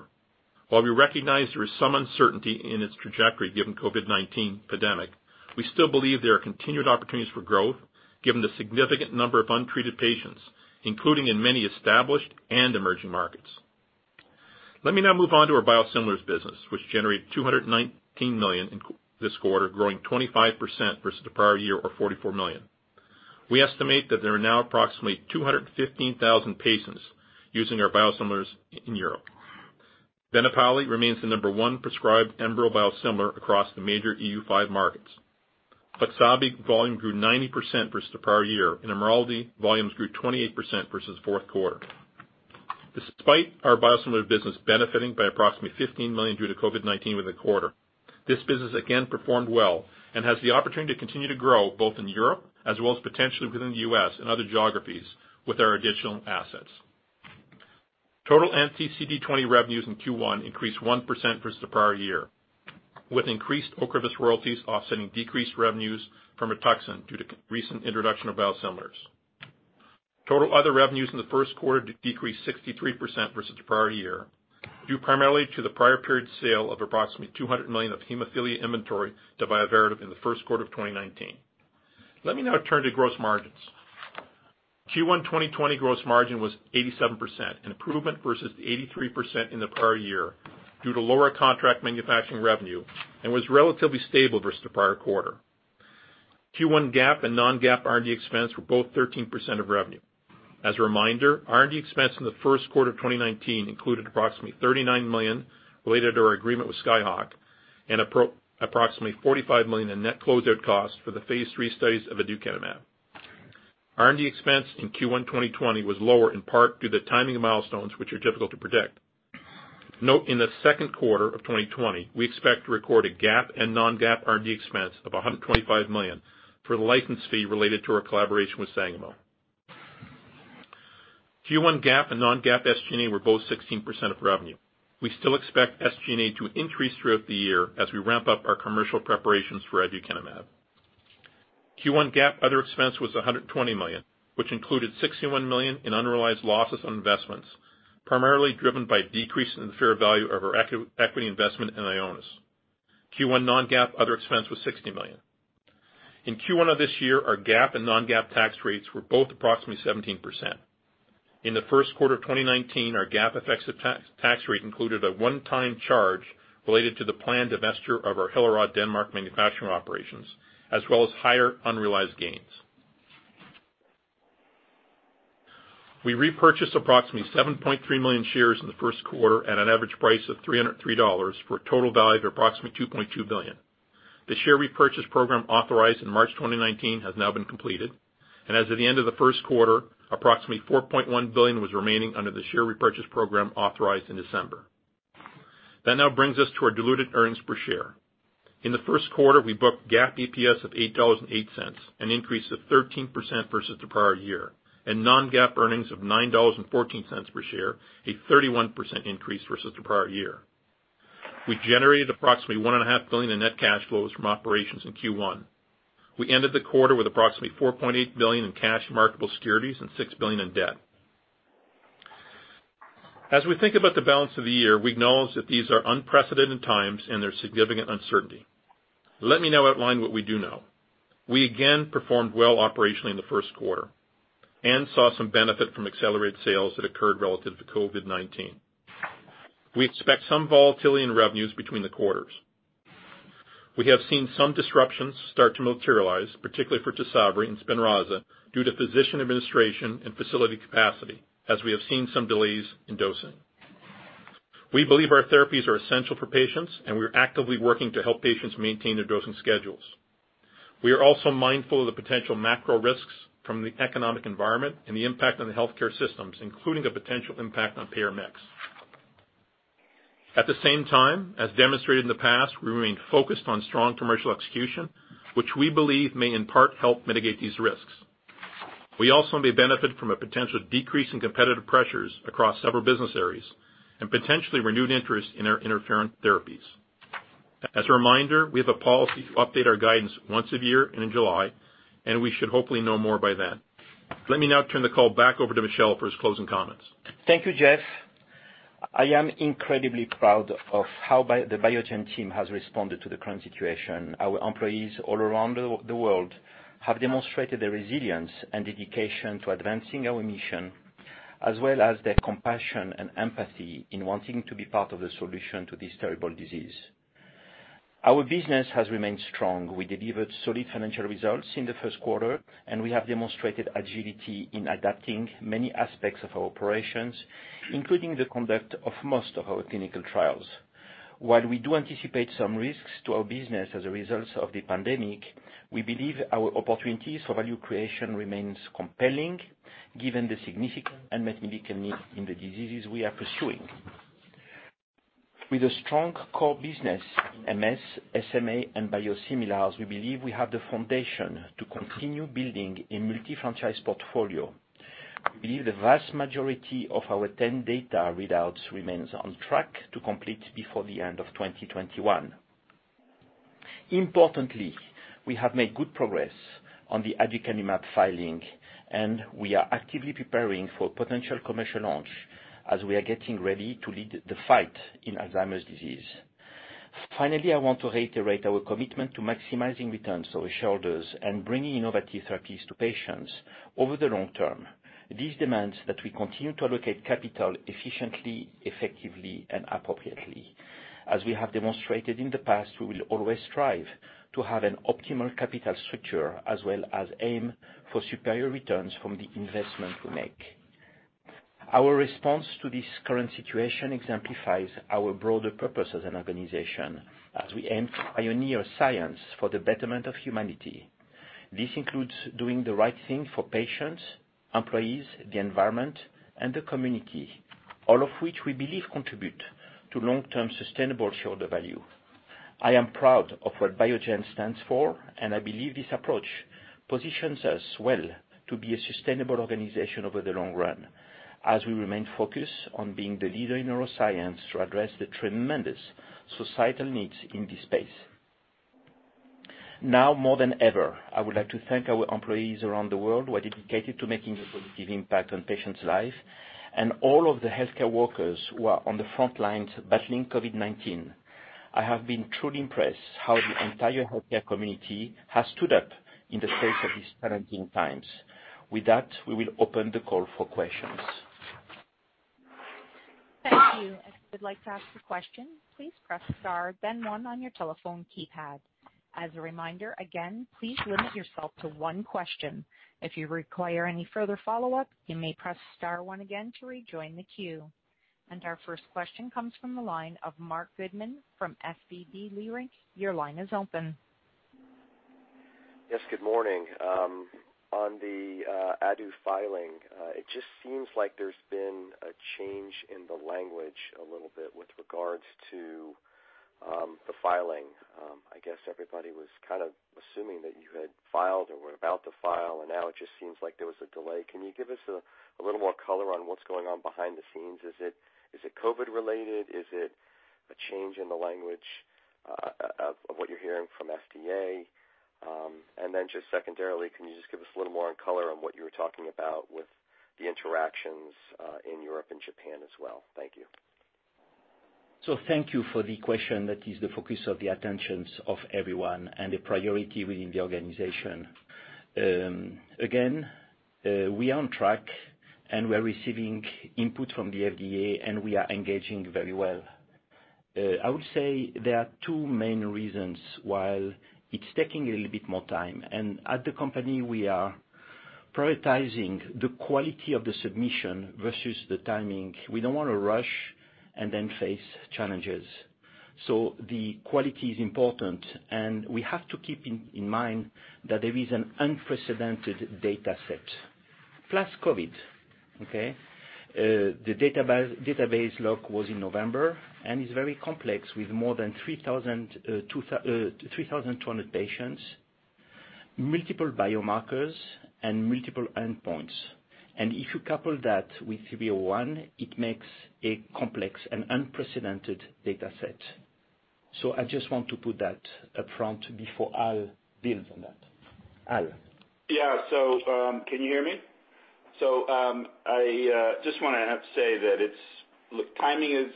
While we recognize there is some uncertainty in its trajectory given COVID-19 pandemic, we still believe there are continued opportunities for growth given the significant number of untreated patients, including in many established and emerging markets. Let me now move on to our biosimilars business, which generated $219 million in this quarter, growing 25% versus the prior year, or $44 million. We estimate that there are now approximately 215,000 patients using our biosimilars in Europe. BENEPALI remains the number 1 prescribed ENBREL biosimilar across the major EU5 markets. FLIXABI volume grew 90% versus the prior year, and IMRALDI volumes grew 28% versus fourth quarter. Despite our biosimilar business benefiting by approximately $15 million due to COVID-19 within the quarter, this business again performed well and has the opportunity to continue to grow both in Europe as well as potentially within the U.S. and other geographies with our additional assets. Total anti-CD20 revenues in Q1 increased 1% versus the prior year, with increased OCREVUS royalties offsetting decreased revenues from RITUXAN due to recent introduction of biosimilars. Total other revenues in the first quarter decreased 63% versus the prior year, due primarily to the prior period sale of approximately $200 million of hemophilia inventory to Bioverativ in the first quarter of 2019. Let me now turn to gross margins. Q1 2020 gross margin was 87%, an improvement versus the 83% in the prior year due to lower contract manufacturing revenue and was relatively stable versus the prior quarter. Q1 GAAP and non-GAAP R&D expense were both 13% of revenue. As a reminder, R&D expense in the first quarter of 2019 included approximately $39 million related to our agreement with Skyhawk and approximately $45 million in net closure costs for the phase III studies of aducanumab. R&D expense in Q1 2020 was lower in part due to the timing of milestones, which are difficult to predict. Note in the second quarter of 2020, we expect to record a GAAP and non-GAAP R&D expense of $125 million for the license fee related to our collaboration with Sangamo. Q1 GAAP and non-GAAP SG&A were both 16% of revenue. We still expect SG&A to increase throughout the year as we ramp up our commercial preparations for aducanumab. Q1 GAAP other expense was $120 million, which included $61 million in unrealized losses on investments, primarily driven by a decrease in the fair value of our equity investment in Ionis. Q1 non-GAAP other expense was $60 million. In Q1 of this year, our GAAP and non-GAAP tax rates were both approximately 17%. In the first quarter of 2019, our GAAP effective tax rate included a one-time charge related to the planned divestiture of our Hillerød, Denmark manufacturing operations, as well as higher unrealized gains. We repurchased approximately 7.3 million shares in the first quarter at an average price of $303 for a total value of approximately $2.2 billion. The share repurchase program authorized in March 2019 has now been completed, and as of the end of the first quarter, approximately $4.1 billion was remaining under the share repurchase program authorized in December. That now brings us to our diluted earnings per share. In the first quarter, we booked GAAP EPS of $8.08, an increase of 13% versus the prior year, and non-GAAP earnings of $9.14 per share, a 31% increase versus the prior year. We generated approximately $1.5 billion in net cash flows from operations in Q1. We ended the quarter with approximately $4.8 billion in cash and marketable securities and $6 billion in debt. As we think about the balance of the year, we acknowledge that these are unprecedented times and there's significant uncertainty. Let me now outline what we do know. We again performed well operationally in the first quarter and saw some benefit from accelerated sales that occurred relative to COVID-19. We expect some volatility in revenues between the quarters. We have seen some disruptions start to materialize, particularly for TYSABRI and SPINRAZA, due to physician administration and facility capacity, as we have seen some delays in dosing. We believe our therapies are essential for patients, and we are actively working to help patients maintain their dosing schedules. We are also mindful of the potential macro risks from the economic environment and the impact on the healthcare systems, including the potential impact on payer mix. At the same time, as demonstrated in the past, we remain focused on strong commercial execution, which we believe may in part help mitigate these risks. We also may benefit from a potential decrease in competitive pressures across several business areas and potentially renewed interest in our interferon therapies. As a reminder, we have a policy to update our guidance once a year in July, and we should hopefully know more by then. Let me now turn the call back over to Michel for his closing comments. Thank you, Jeff. I am incredibly proud of how the Biogen team has responded to the current situation. Our employees all around the world have demonstrated their resilience and dedication to advancing our mission, as well as their compassion and empathy in wanting to be part of the solution to this terrible disease. Our business has remained strong. We delivered solid financial results in the first quarter, and we have demonstrated agility in adapting many aspects of our operations, including the conduct of most of our clinical trials. While we do anticipate some risks to our business as a result of the pandemic, we believe our opportunities for value creation remains compelling given the significant unmet medical need in the diseases we are pursuing. With a strong core business in MS, SMA, and biosimilars, we believe we have the foundation to continue building a multi-franchise portfolio. We believe the vast majority of our 10 data readouts remains on track to complete before the end of 2021. Importantly, we have made good progress on the aducanumab filing, and we are actively preparing for potential commercial launch as we are getting ready to lead the fight in Alzheimer's disease. Finally, I want to reiterate our commitment to maximizing returns to our shareholders and bringing innovative therapies to patients over the long term. This demands that we continue to allocate capital efficiently, effectively, and appropriately. As we have demonstrated in the past, we will always strive to have an optimal capital structure as well as aim for superior returns from the investment we make. Our response to this current situation exemplifies our broader purpose as an organization as we aim to pioneer science for the betterment of humanity. This includes doing the right thing for patients, employees, the environment, and the community, all of which we believe contribute to long-term sustainable shareholder value. I am proud of what Biogen stands for, and I believe this approach positions us well to be a sustainable organization over the long run as we remain focused on being the leader in neuroscience to address the tremendous societal needs in this space. Now more than ever, I would like to thank our employees around the world who are dedicated to making a positive impact on patients' life and all of the healthcare workers who are on the front lines battling COVID-19. I have been truly impressed how the entire healthcare community has stood up in the face of these challenging times. With that, we will open the call for questions. Thank you. If you would like to ask a question, please press star then one on your telephone keypad. As a reminder, again, please limit yourself to one question. If you require any further follow-up, you may press star one again to rejoin the queue. Our first question comes from the line of Marc Goodman from SVB Leerink. Your line is open. Yes, good morning. On the ADU filing, it just seems like there's been a change in the language a little bit with regards to the filing. I guess everybody was kind of assuming that you had filed, and now it just seems like there was a delay. Can you give us a little more color on what's going on behind the scenes? Is it COVID related? Is it a change in the language of what you're hearing from FDA? Just secondarily, can you just give us a little more color on what you were talking about with the interactions in Europe and Japan as well? Thank you. Thank you for the question. That is the focus of the attention of everyone and a priority within the organization. We are on track. We're receiving input from the FDA. We are engaging very well. I would say there are two main reasons why it's taking a little bit more time. At the company, we are prioritizing the quality of the submission versus the timing. We don't want to rush and then face challenges. The quality is important. We have to keep in mind that there is an unprecedented data set. Plus COVID. The database lock was in November and is very complex with more than 3,200 patients, multiple biomarkers, and multiple endpoints. If you couple that with uncertain, it makes a complex and unprecedented data set. I just want to put that up front before Al builds on that. Al? Yeah. Can you hear me? I just want to say that timing is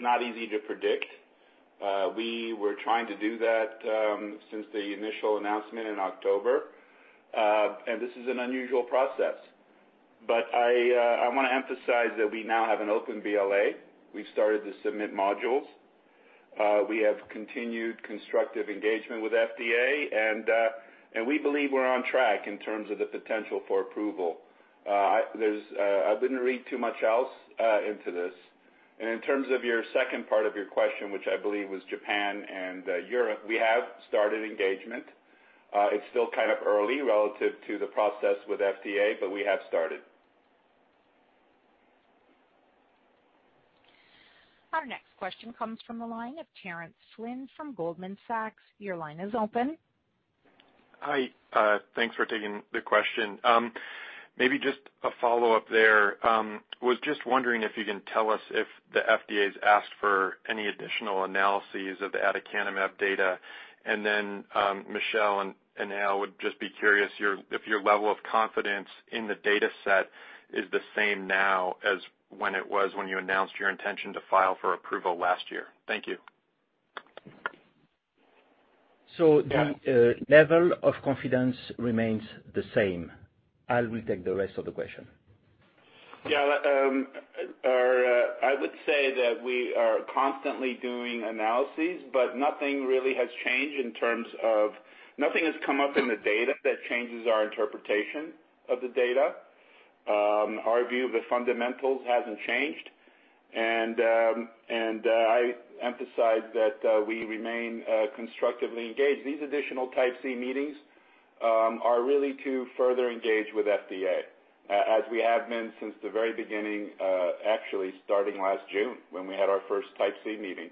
not easy to predict. We were trying to do that since the initial announcement in October. This is an unusual process. I want to emphasize that we now have an open BLA. We've started to submit modules. We have continued constructive engagement with FDA, and we believe we're on track in terms of the potential for approval. I wouldn't read too much else into this. In terms of your second part of your question, which I believe was Japan and Europe, we have started engagement. It's still kind of early relative to the process with FDA, but we have started. Our next question comes from the line of Terence Flynn from Goldman Sachs. Your line is open. Hi. Thanks for taking the question. Maybe just a follow-up there. Was just wondering if you can tell us if the FDA's asked for any additional analyses of the aducanumab data, Michel and Al, would just be curious if your level of confidence in the data set is the same now as when it was when you announced your intention to file for approval last year. Thank you. The level of confidence remains the same. Al will take the rest of the question. Yeah. I would say that we are constantly doing analyses, but nothing has come up in the data that changes our interpretation of the data. Our view of the fundamentals hasn't changed. I emphasize that we remain constructively engaged. These additional Type C meeting are really to further engage with FDA, as we have been since the very beginning, actually starting last June when we had our first Type C meeting.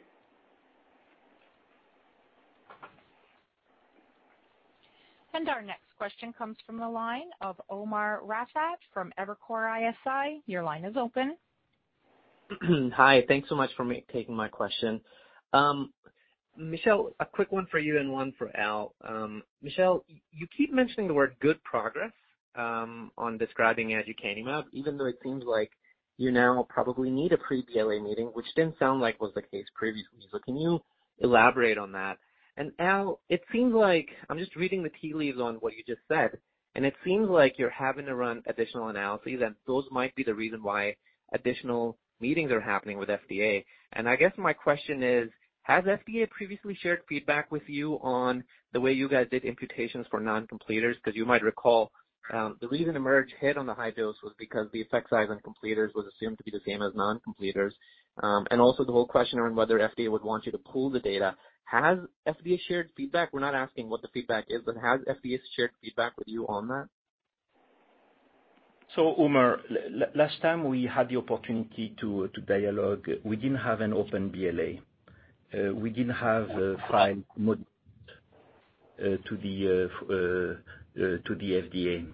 Our next question comes from the line of Umer Raffat from Evercore ISI. Your line is open. Hi. Thanks so much for taking my question. Michel, a quick one for you and one for Al. Michel, you keep mentioning the word "good progress" on describing aducanumab, even though it seems like you now probably need a pre-BLA meeting, which didn't sound like was the case previously. Can you elaborate on that? Al, it seems like I'm just reading the tea leaves on what you just said, and it seems like you're having to run additional analyses, and those might be the reason why additional meetings are happening with FDA. I guess my question is, has FDA previously shared feedback with you on the way you guys did imputations for non-completers? You might recall, the reason EMERGE hit on the high dose was because the effect size on completers was assumed to be the same as non-completers. Also the whole question around whether FDA would want you to pool the data. Has FDA shared feedback? We're not asking what the feedback is, but has FDA shared feedback with you on that? Umer, last time we had the opportunity to dialogue, we didn't have an open BLA. We didn't have a file to the FDA.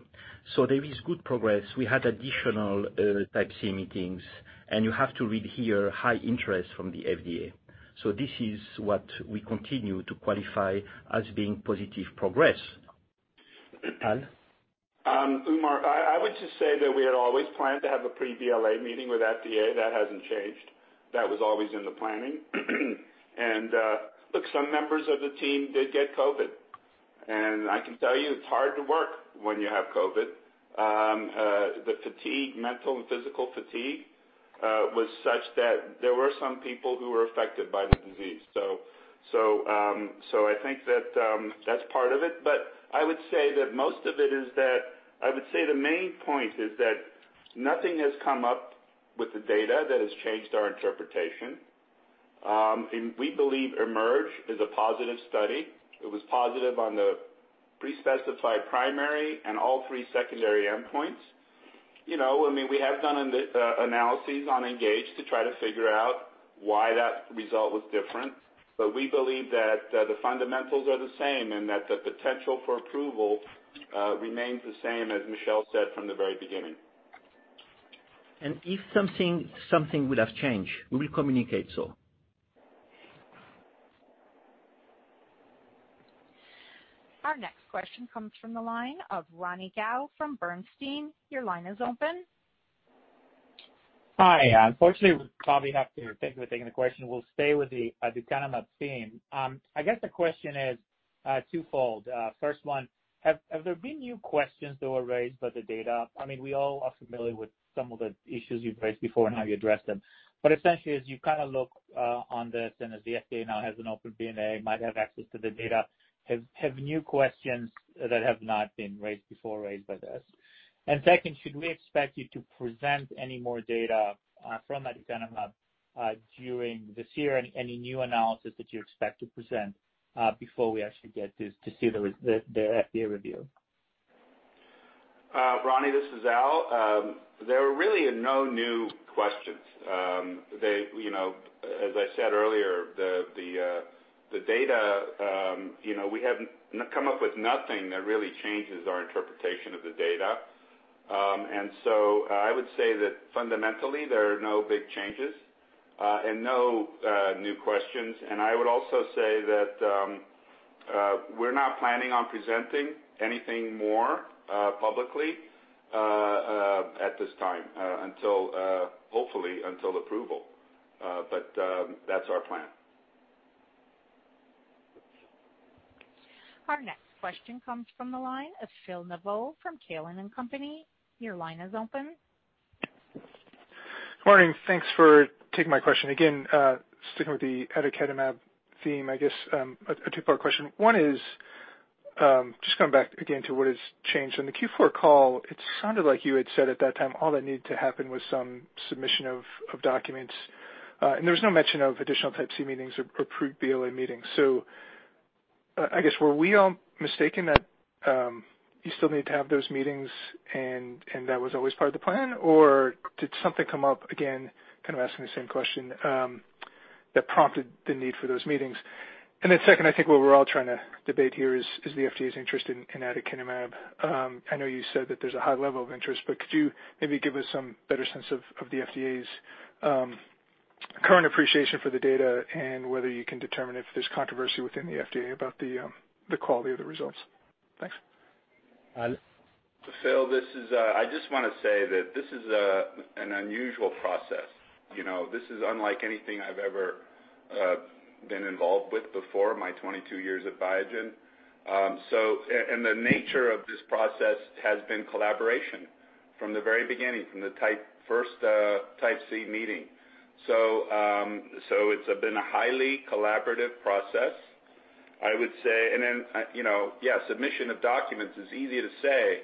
There is good progress. We had additional Type C meeting, and you have to read here high interest from the FDA. This is what we continue to qualify as being positive progress. Al? Umer, I would just say that we had always planned to have a pre-BLA meeting with FDA. That hasn't changed. That was always in the planning. Look, some members of the team did get COVID, and I can tell you it's hard to work when you have COVID. The mental and physical fatigue was such that there were some people who were affected by the disease. I think that's part of it. I would say the main point is that nothing has come up with the data that has changed our interpretation. We believe EMERGE is a positive study. It was positive on the pre-specified primary and all three secondary endpoints. We have done analyses on ENGAGE to try to figure out why that result was different, but we believe that the fundamentals are the same and that the potential for approval remains the same, as Michel said from the very beginning. If something would have changed, we will communicate so. Our next question comes from the line of Ronny Gal from Bernstein. Your line is open. Hi. Unfortunately, Bobby had to take the question. We'll stay with the aducanumab theme. I guess the question is twofold. First one, have there been new questions that were raised by the data? We all are familiar with some of the issues you've raised before and how you addressed them. Essentially, as you look on this, and as the FDA now has an open BLA, might have access to the data, have new questions that have not been raised before raised by this? Second, should we expect you to present any more data from aducanumab during this year? Any new analysis that you expect to present before we actually get to see the FDA review? Ronny, this is Al. There are really no new questions. As I said earlier, the data, we have come up with nothing that really changes our interpretation of the data. I would say that fundamentally, there are no big changes, and no new questions. I would also say that we're not planning on presenting anything more publicly at this time, hopefully until approval. That's our plan. Our next question comes from the line of Phil Nadeau from Cowen and Company. Your line is open. Morning. Thanks for taking my question. Again, sticking with the aducanumab theme, I guess, a two-part question. One is, just coming back again to what has changed. On the Q4 call, it sounded like you had said at that time, all that needed to happen was some submission of documents. There was no mention of additional Type C meetings or pre-BLA meetings. I guess, were we all mistaken that you still need to have those meetings and that was always part of the plan, or did something come up, again, kind of asking the same question, that prompted the need for those meetings? Second, I think what we're all trying to debate here is the FDA's interest in aducanumab. I know you said that there's a high level of interest, but could you maybe give us some better sense of the FDA's current appreciation for the data and whether you can determine if there's controversy within the FDA about the quality of the results? Thanks. Al? Phil, I just want to say that this is an unusual process. This is unlike anything I've ever been involved with before my 22 years at Biogen. The nature of this process has been collaboration from the very beginning, from the first Type C meeting. It's been a highly collaborative process, I would say. Then, yeah, submission of documents is easy to say,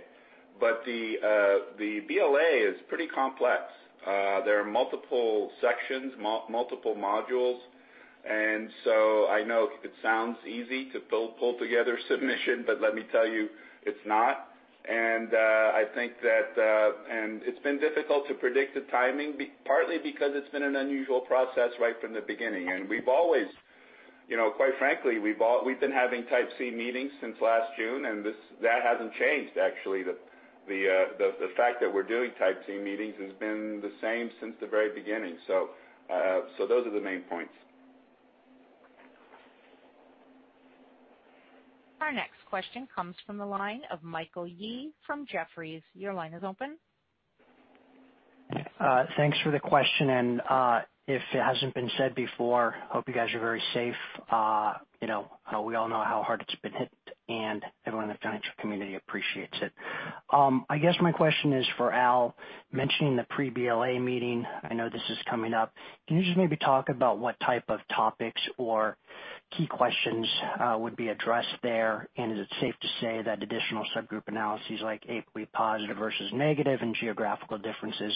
but the BLA is pretty complex. There are multiple sections, multiple modules, and so I know it sounds easy to pull together submission, but let me tell you, it's not. It's been difficult to predict the timing, partly because it's been an unusual process right from the beginning. Quite frankly, we've been having Type C meetings since last June, and that hasn't changed, actually. The fact that we're doing Type C meetings has been the same since the very beginning. Those are the main points. Our next question comes from the line of Michael Yee from Jefferies. Your line is open. Thanks for the question. If it hasn't been said before, hope you guys are very safe. We all know how hard it's been hit, and everyone in the financial community appreciates it. I guess my question is for Al, mentioning the pre-BLA meeting, I know this is coming up. Can you just maybe talk about what type of topics or key questions would be addressed there? Is it safe to say that additional subgroup analyses like APOE positive versus negative and geographical differences,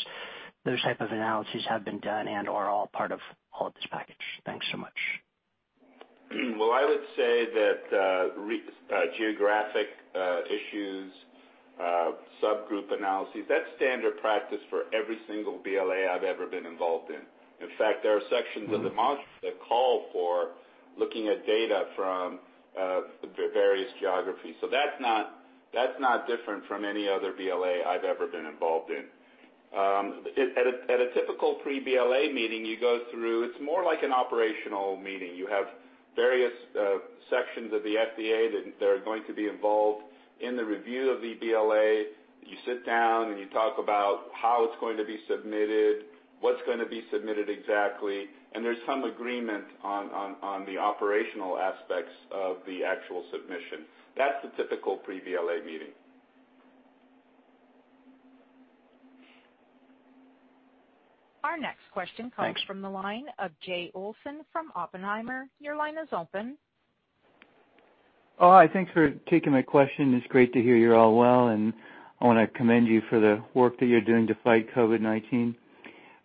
those type of analyses have been done and are all part of all of this package? Thanks so much. Well, I would say that geographic issues, subgroup analyses, that's standard practice for every single BLA I've ever been involved in. In fact, there are sections of the module that call for looking at data from various geographies. That's not different from any other BLA I've ever been involved in. At a typical pre-BLA meeting, it's more like an operational meeting. You have various sections of the FDA that are going to be involved in the review of the BLA. You sit down and you talk about how it's going to be submitted, what's going to be submitted exactly, and there's some agreement on the operational aspects of the actual submission. That's the typical pre-BLA meeting. Our next question- Thanks comes from the line of Jay Olson from Oppenheimer. Your line is open. Oh, hi. Thanks for taking my question. It's great to hear you're all well, and I want to commend you for the work that you're doing to fight COVID-19.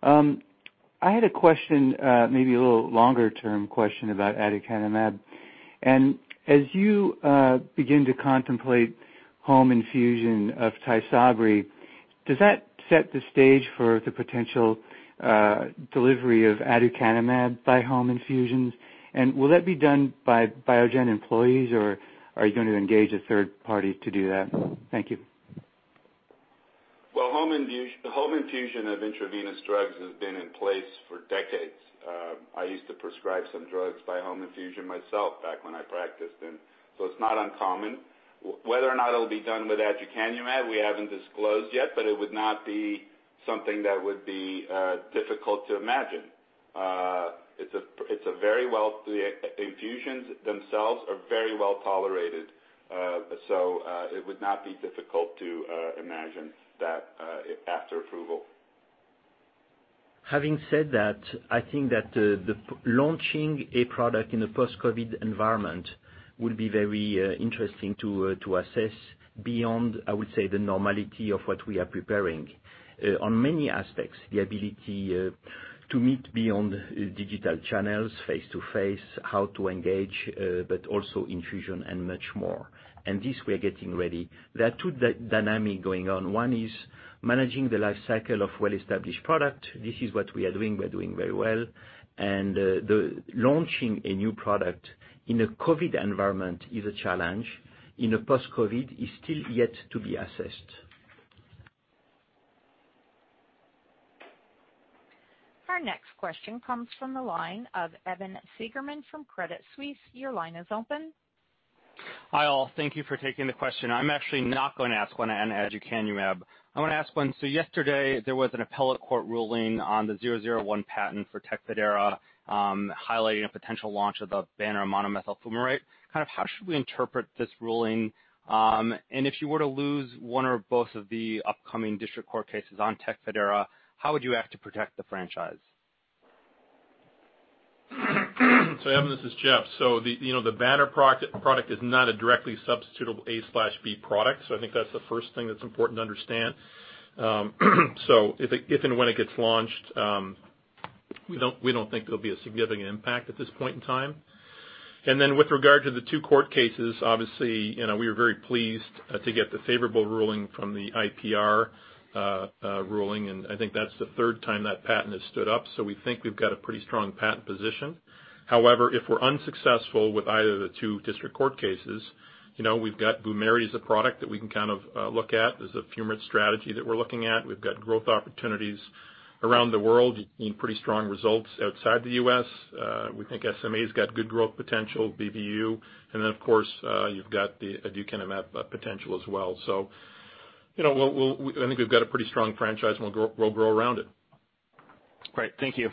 I had a question, maybe a little longer-term question about aducanumab. As you begin to contemplate home infusion of TYSABRI, does that set the stage for the potential delivery of aducanumab by home infusions? Will that be done by Biogen employees, or are you going to engage a third party to do that? Thank you. Home infusion of intravenous drugs has been in place for decades. I used to prescribe some drugs by home infusion myself back when I practiced, it's not uncommon. Whether or not it'll be done with aducanumab, we haven't disclosed yet, it would not be something that would be difficult to imagine. The infusions themselves are very well tolerated. It would not be difficult to imagine that after approval. Having said that, I think that launching a product in a post-COVID environment will be very interesting to assess beyond, I would say, the normality of what we are preparing. On many aspects, the ability to meet beyond digital channels, face-to-face, how to engage, but also infusion and much more. This we are getting ready. There are two dynamics going on. One is managing the life cycle of well-established product. This is what we are doing. We're doing very well. Launching a new product in a COVID environment is a challenge. In a post-COVID, is still yet to be assessed. Our next question comes from the line of Evan Seigerman from Credit Suisse. Your line is open. Hi, all. Thank you for taking the question. I'm actually not going to ask one on aducanumab. I want to ask one. Yesterday there was an appellate court ruling on the 001 patent for TECFIDERA, highlighting a potential launch of the Banner monomethyl fumarate. Kind of how should we interpret this ruling? If you were to lose one or both of the upcoming district court cases on TECFIDERA, how would you act to protect the franchise? Evan, this is Jeff. The Banner product is not a directly substitutable A/B product. I think that's the first thing that's important to understand. If and when it gets launched, we don't think there'll be a significant impact at this point in time. With regard to the two court cases, obviously, we are very pleased to get the favorable ruling from the IPR ruling, and I think that's the third time that patent has stood up. We think we've got a pretty strong patent position. If we're unsuccessful with either of the two district court cases, we've got VUMERITY as a product that we can kind of look at as a fumarate strategy that we're looking at. We've got growth opportunities around the world, pretty strong results outside the U.S. We think SMA's got good growth potential, BBU, and then, of course, you've got the aducanumab potential as well. I think we've got a pretty strong franchise, and we'll grow around it. Great. Thank you.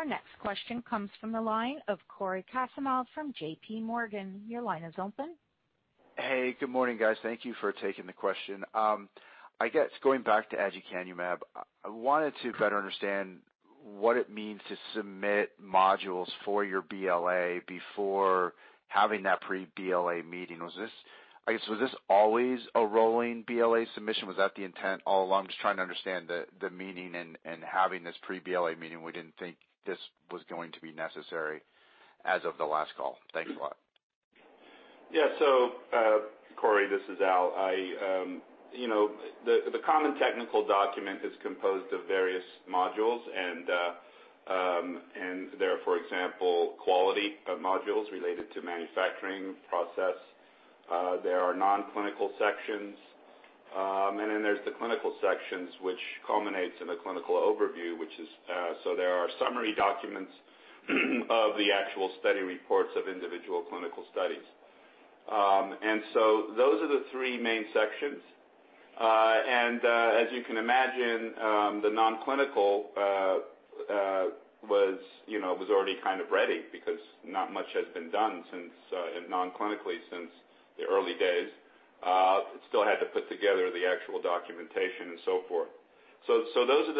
Our next question comes from the line of Cory Kasimov from JPMorgan. Your line is open. Hey, good morning, guys. Thank you for taking the question. I guess going back to aducanumab, I wanted to better understand what it means to submit modules for your BLA before having that pre-BLA meeting. Was this always a rolling BLA submission? Was that the intent all along? Just trying to understand the meaning in having this pre-BLA meeting. We didn't think this was going to be necessary as of the last call. Thanks a lot. Yeah. Cory, this is Al. The common technical document is composed of various modules, there are, for example, quality modules related to manufacturing process. There are non-clinical sections. There's the clinical sections, which culminates in a clinical overview. There are summary documents of the actual study reports of individual clinical studies. Those are the three main sections. As you can imagine, the non-clinical was already kind of ready because not much has been done non-clinically since the early days. Still had to put together the actual documentation and so forth. Those are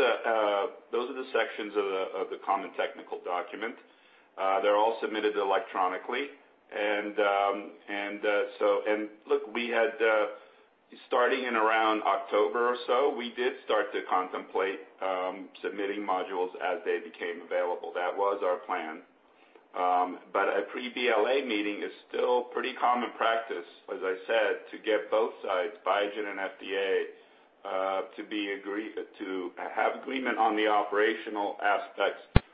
the sections of the common technical document. They're all submitted electronically. Look, starting in around October or so, we did start to contemplate submitting modules as they became available. That was our plan. A pre-BLA meeting is still pretty common practice, as I said, to get both sides, Biogen and FDA, to have agreement on the operational aspects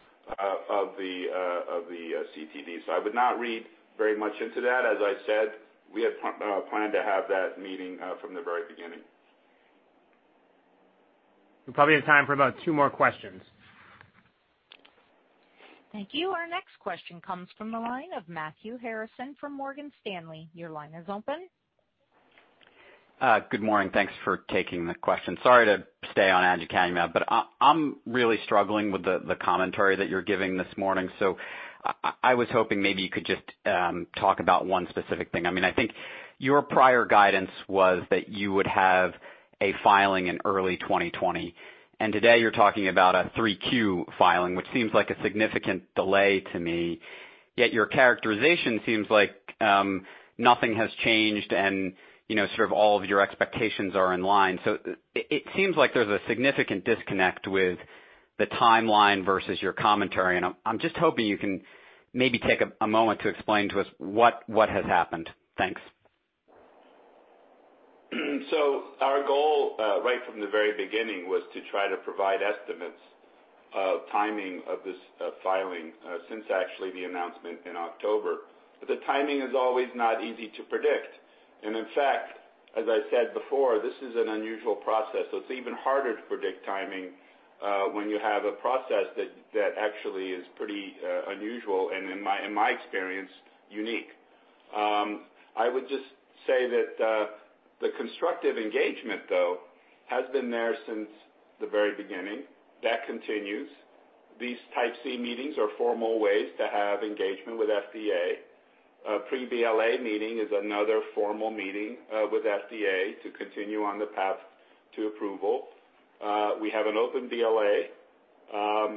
of the CTD. I would not read very much into that. As I said, we had planned to have that meeting from the very beginning. We probably have time for about two more questions. Thank you. Our next question comes from the line of Matthew Harrison from Morgan Stanley. Your line is open. Good morning. Thanks for taking the question. Sorry to stay on aducanumab, I'm really struggling with the commentary that you're giving this morning. I was hoping maybe you could just talk about one specific thing. I think your prior guidance was that you would have a filing in early 2020, and today you're talking about a 3Q filing, which seems like a significant delay to me. Your characterization seems like nothing has changed and sort of all of your expectations are in line. It seems like there's a significant disconnect with the timeline versus your commentary. I'm just hoping you can maybe take a moment to explain to us what has happened. Thanks. Our goal right from the very beginning was to try to provide estimates of timing of this filing since actually the announcement in October. The timing is always not easy to predict. In fact, as I said before, this is an unusual process. It's even harder to predict timing when you have a process that actually is pretty unusual and in my experience, unique. I would just say that the constructive engagement though has been there since the very beginning. That continues. These Type C meeting are formal ways to have engagement with FDA. A pre-BLA meeting is another formal meeting with FDA to continue on the path to approval. We have an open BLA.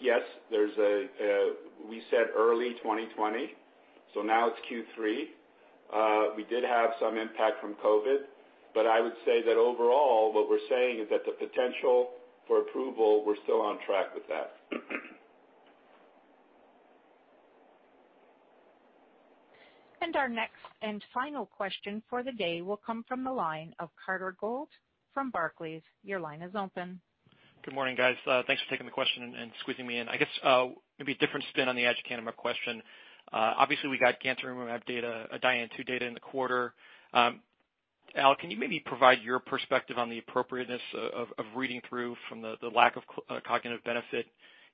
Yes, we said early 2020. Now it's Q3. We did have some impact from COVID, but I would say that overall, what we're saying is that the potential for approval, we're still on track with that. Our next and final question for the day will come from the line of Carter Gould from Barclays. Your line is open. Good morning, guys. Thanks for taking the question and squeezing me in. I guess maybe a different spin on the aducanumab question. Obviously, we got gantenerumab data, DIAN-TU data in the quarter. Al, can you maybe provide your perspective on the appropriateness of reading through from the lack of cognitive benefit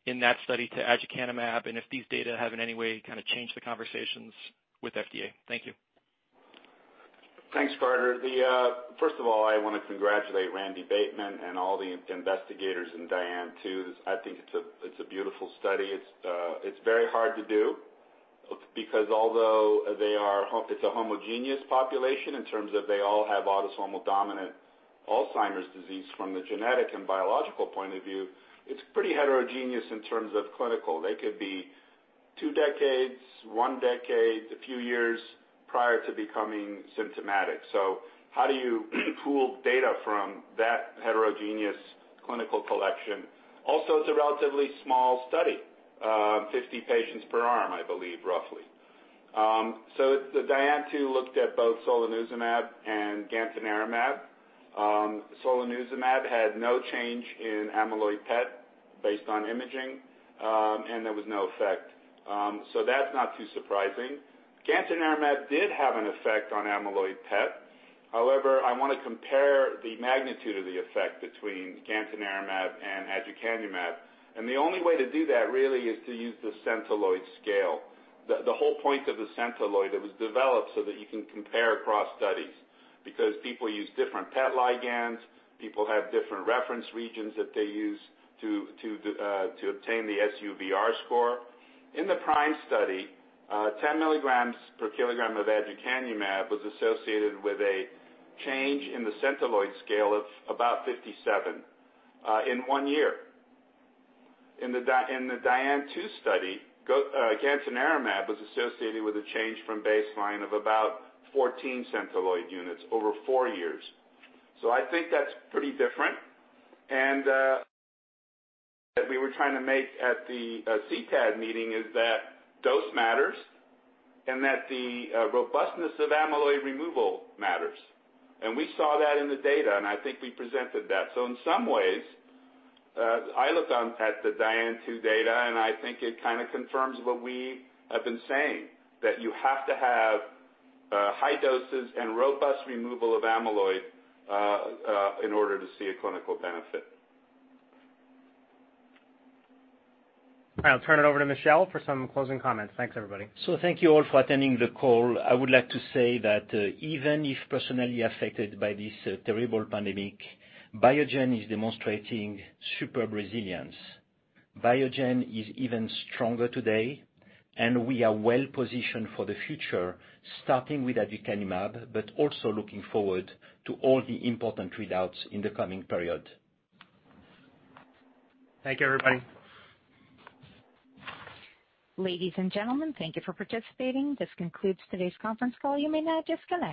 in that study to aducanumab, and if these data have in any way kind of changed the conversations with FDA? Thank you. Thanks, Carter. First of all, I want to congratulate Randy Bateman and all the investigators in DIAN-TU. I think it's a beautiful study. It's very hard to do because although it's a homogeneous population in terms of they all have autosomal dominant Alzheimer's disease from the genetic and biological point of view, it's pretty heterogeneous in terms of clinical. They could be two decades, one decade, a few years prior to becoming symptomatic. How do you pool data from that heterogeneous clinical collection? Also, it's a relatively small study. 50 patients per arm, I believe, roughly. The DIAN-TU looked at both solanezumab and gantenerumab. Solanezumab had no change in amyloid PET based on imaging, and there was no effect. That's not too surprising. Gantenerumab did have an effect on amyloid PET. However, I want to compare the magnitude of the effect between gantenerumab and aducanumab. The only way to do that really is to use the Centiloid scale. The whole point of the Centiloid, it was developed so that you can compare across studies because people use different PET ligands, people have different reference regions that they use to obtain the SUVR score. In the PRIME study, 10 milligrams per kilogram of aducanumab was associated with a change in the Centiloid scale of about 57 in one year. In the DIAN-TU study, gantenerumab was associated with a change from baseline of about 14 Centiloid units over four years. I think that's pretty different. That we were trying to make at the CTAD meeting is that dose matters and that the robustness of amyloid removal matters. We saw that in the data, and I think we presented that. In some ways, I looked at the DIAN-TU data, and I think it kind of confirms what we have been saying, that you have to have high doses and robust removal of amyloid in order to see a clinical benefit. I'll turn it over to Michel for some closing comments. Thanks, everybody. Thank you all for attending the call. I would like to say that even if personally affected by this terrible pandemic, Biogen is demonstrating superb resilience. Biogen is even stronger today, and we are well-positioned for the future, starting with aducanumab, but also looking forward to all the important readouts in the coming period. Thank you, everybody. Ladies and gentlemen, thank you for participating. This concludes today's conference call. You may now disconnect.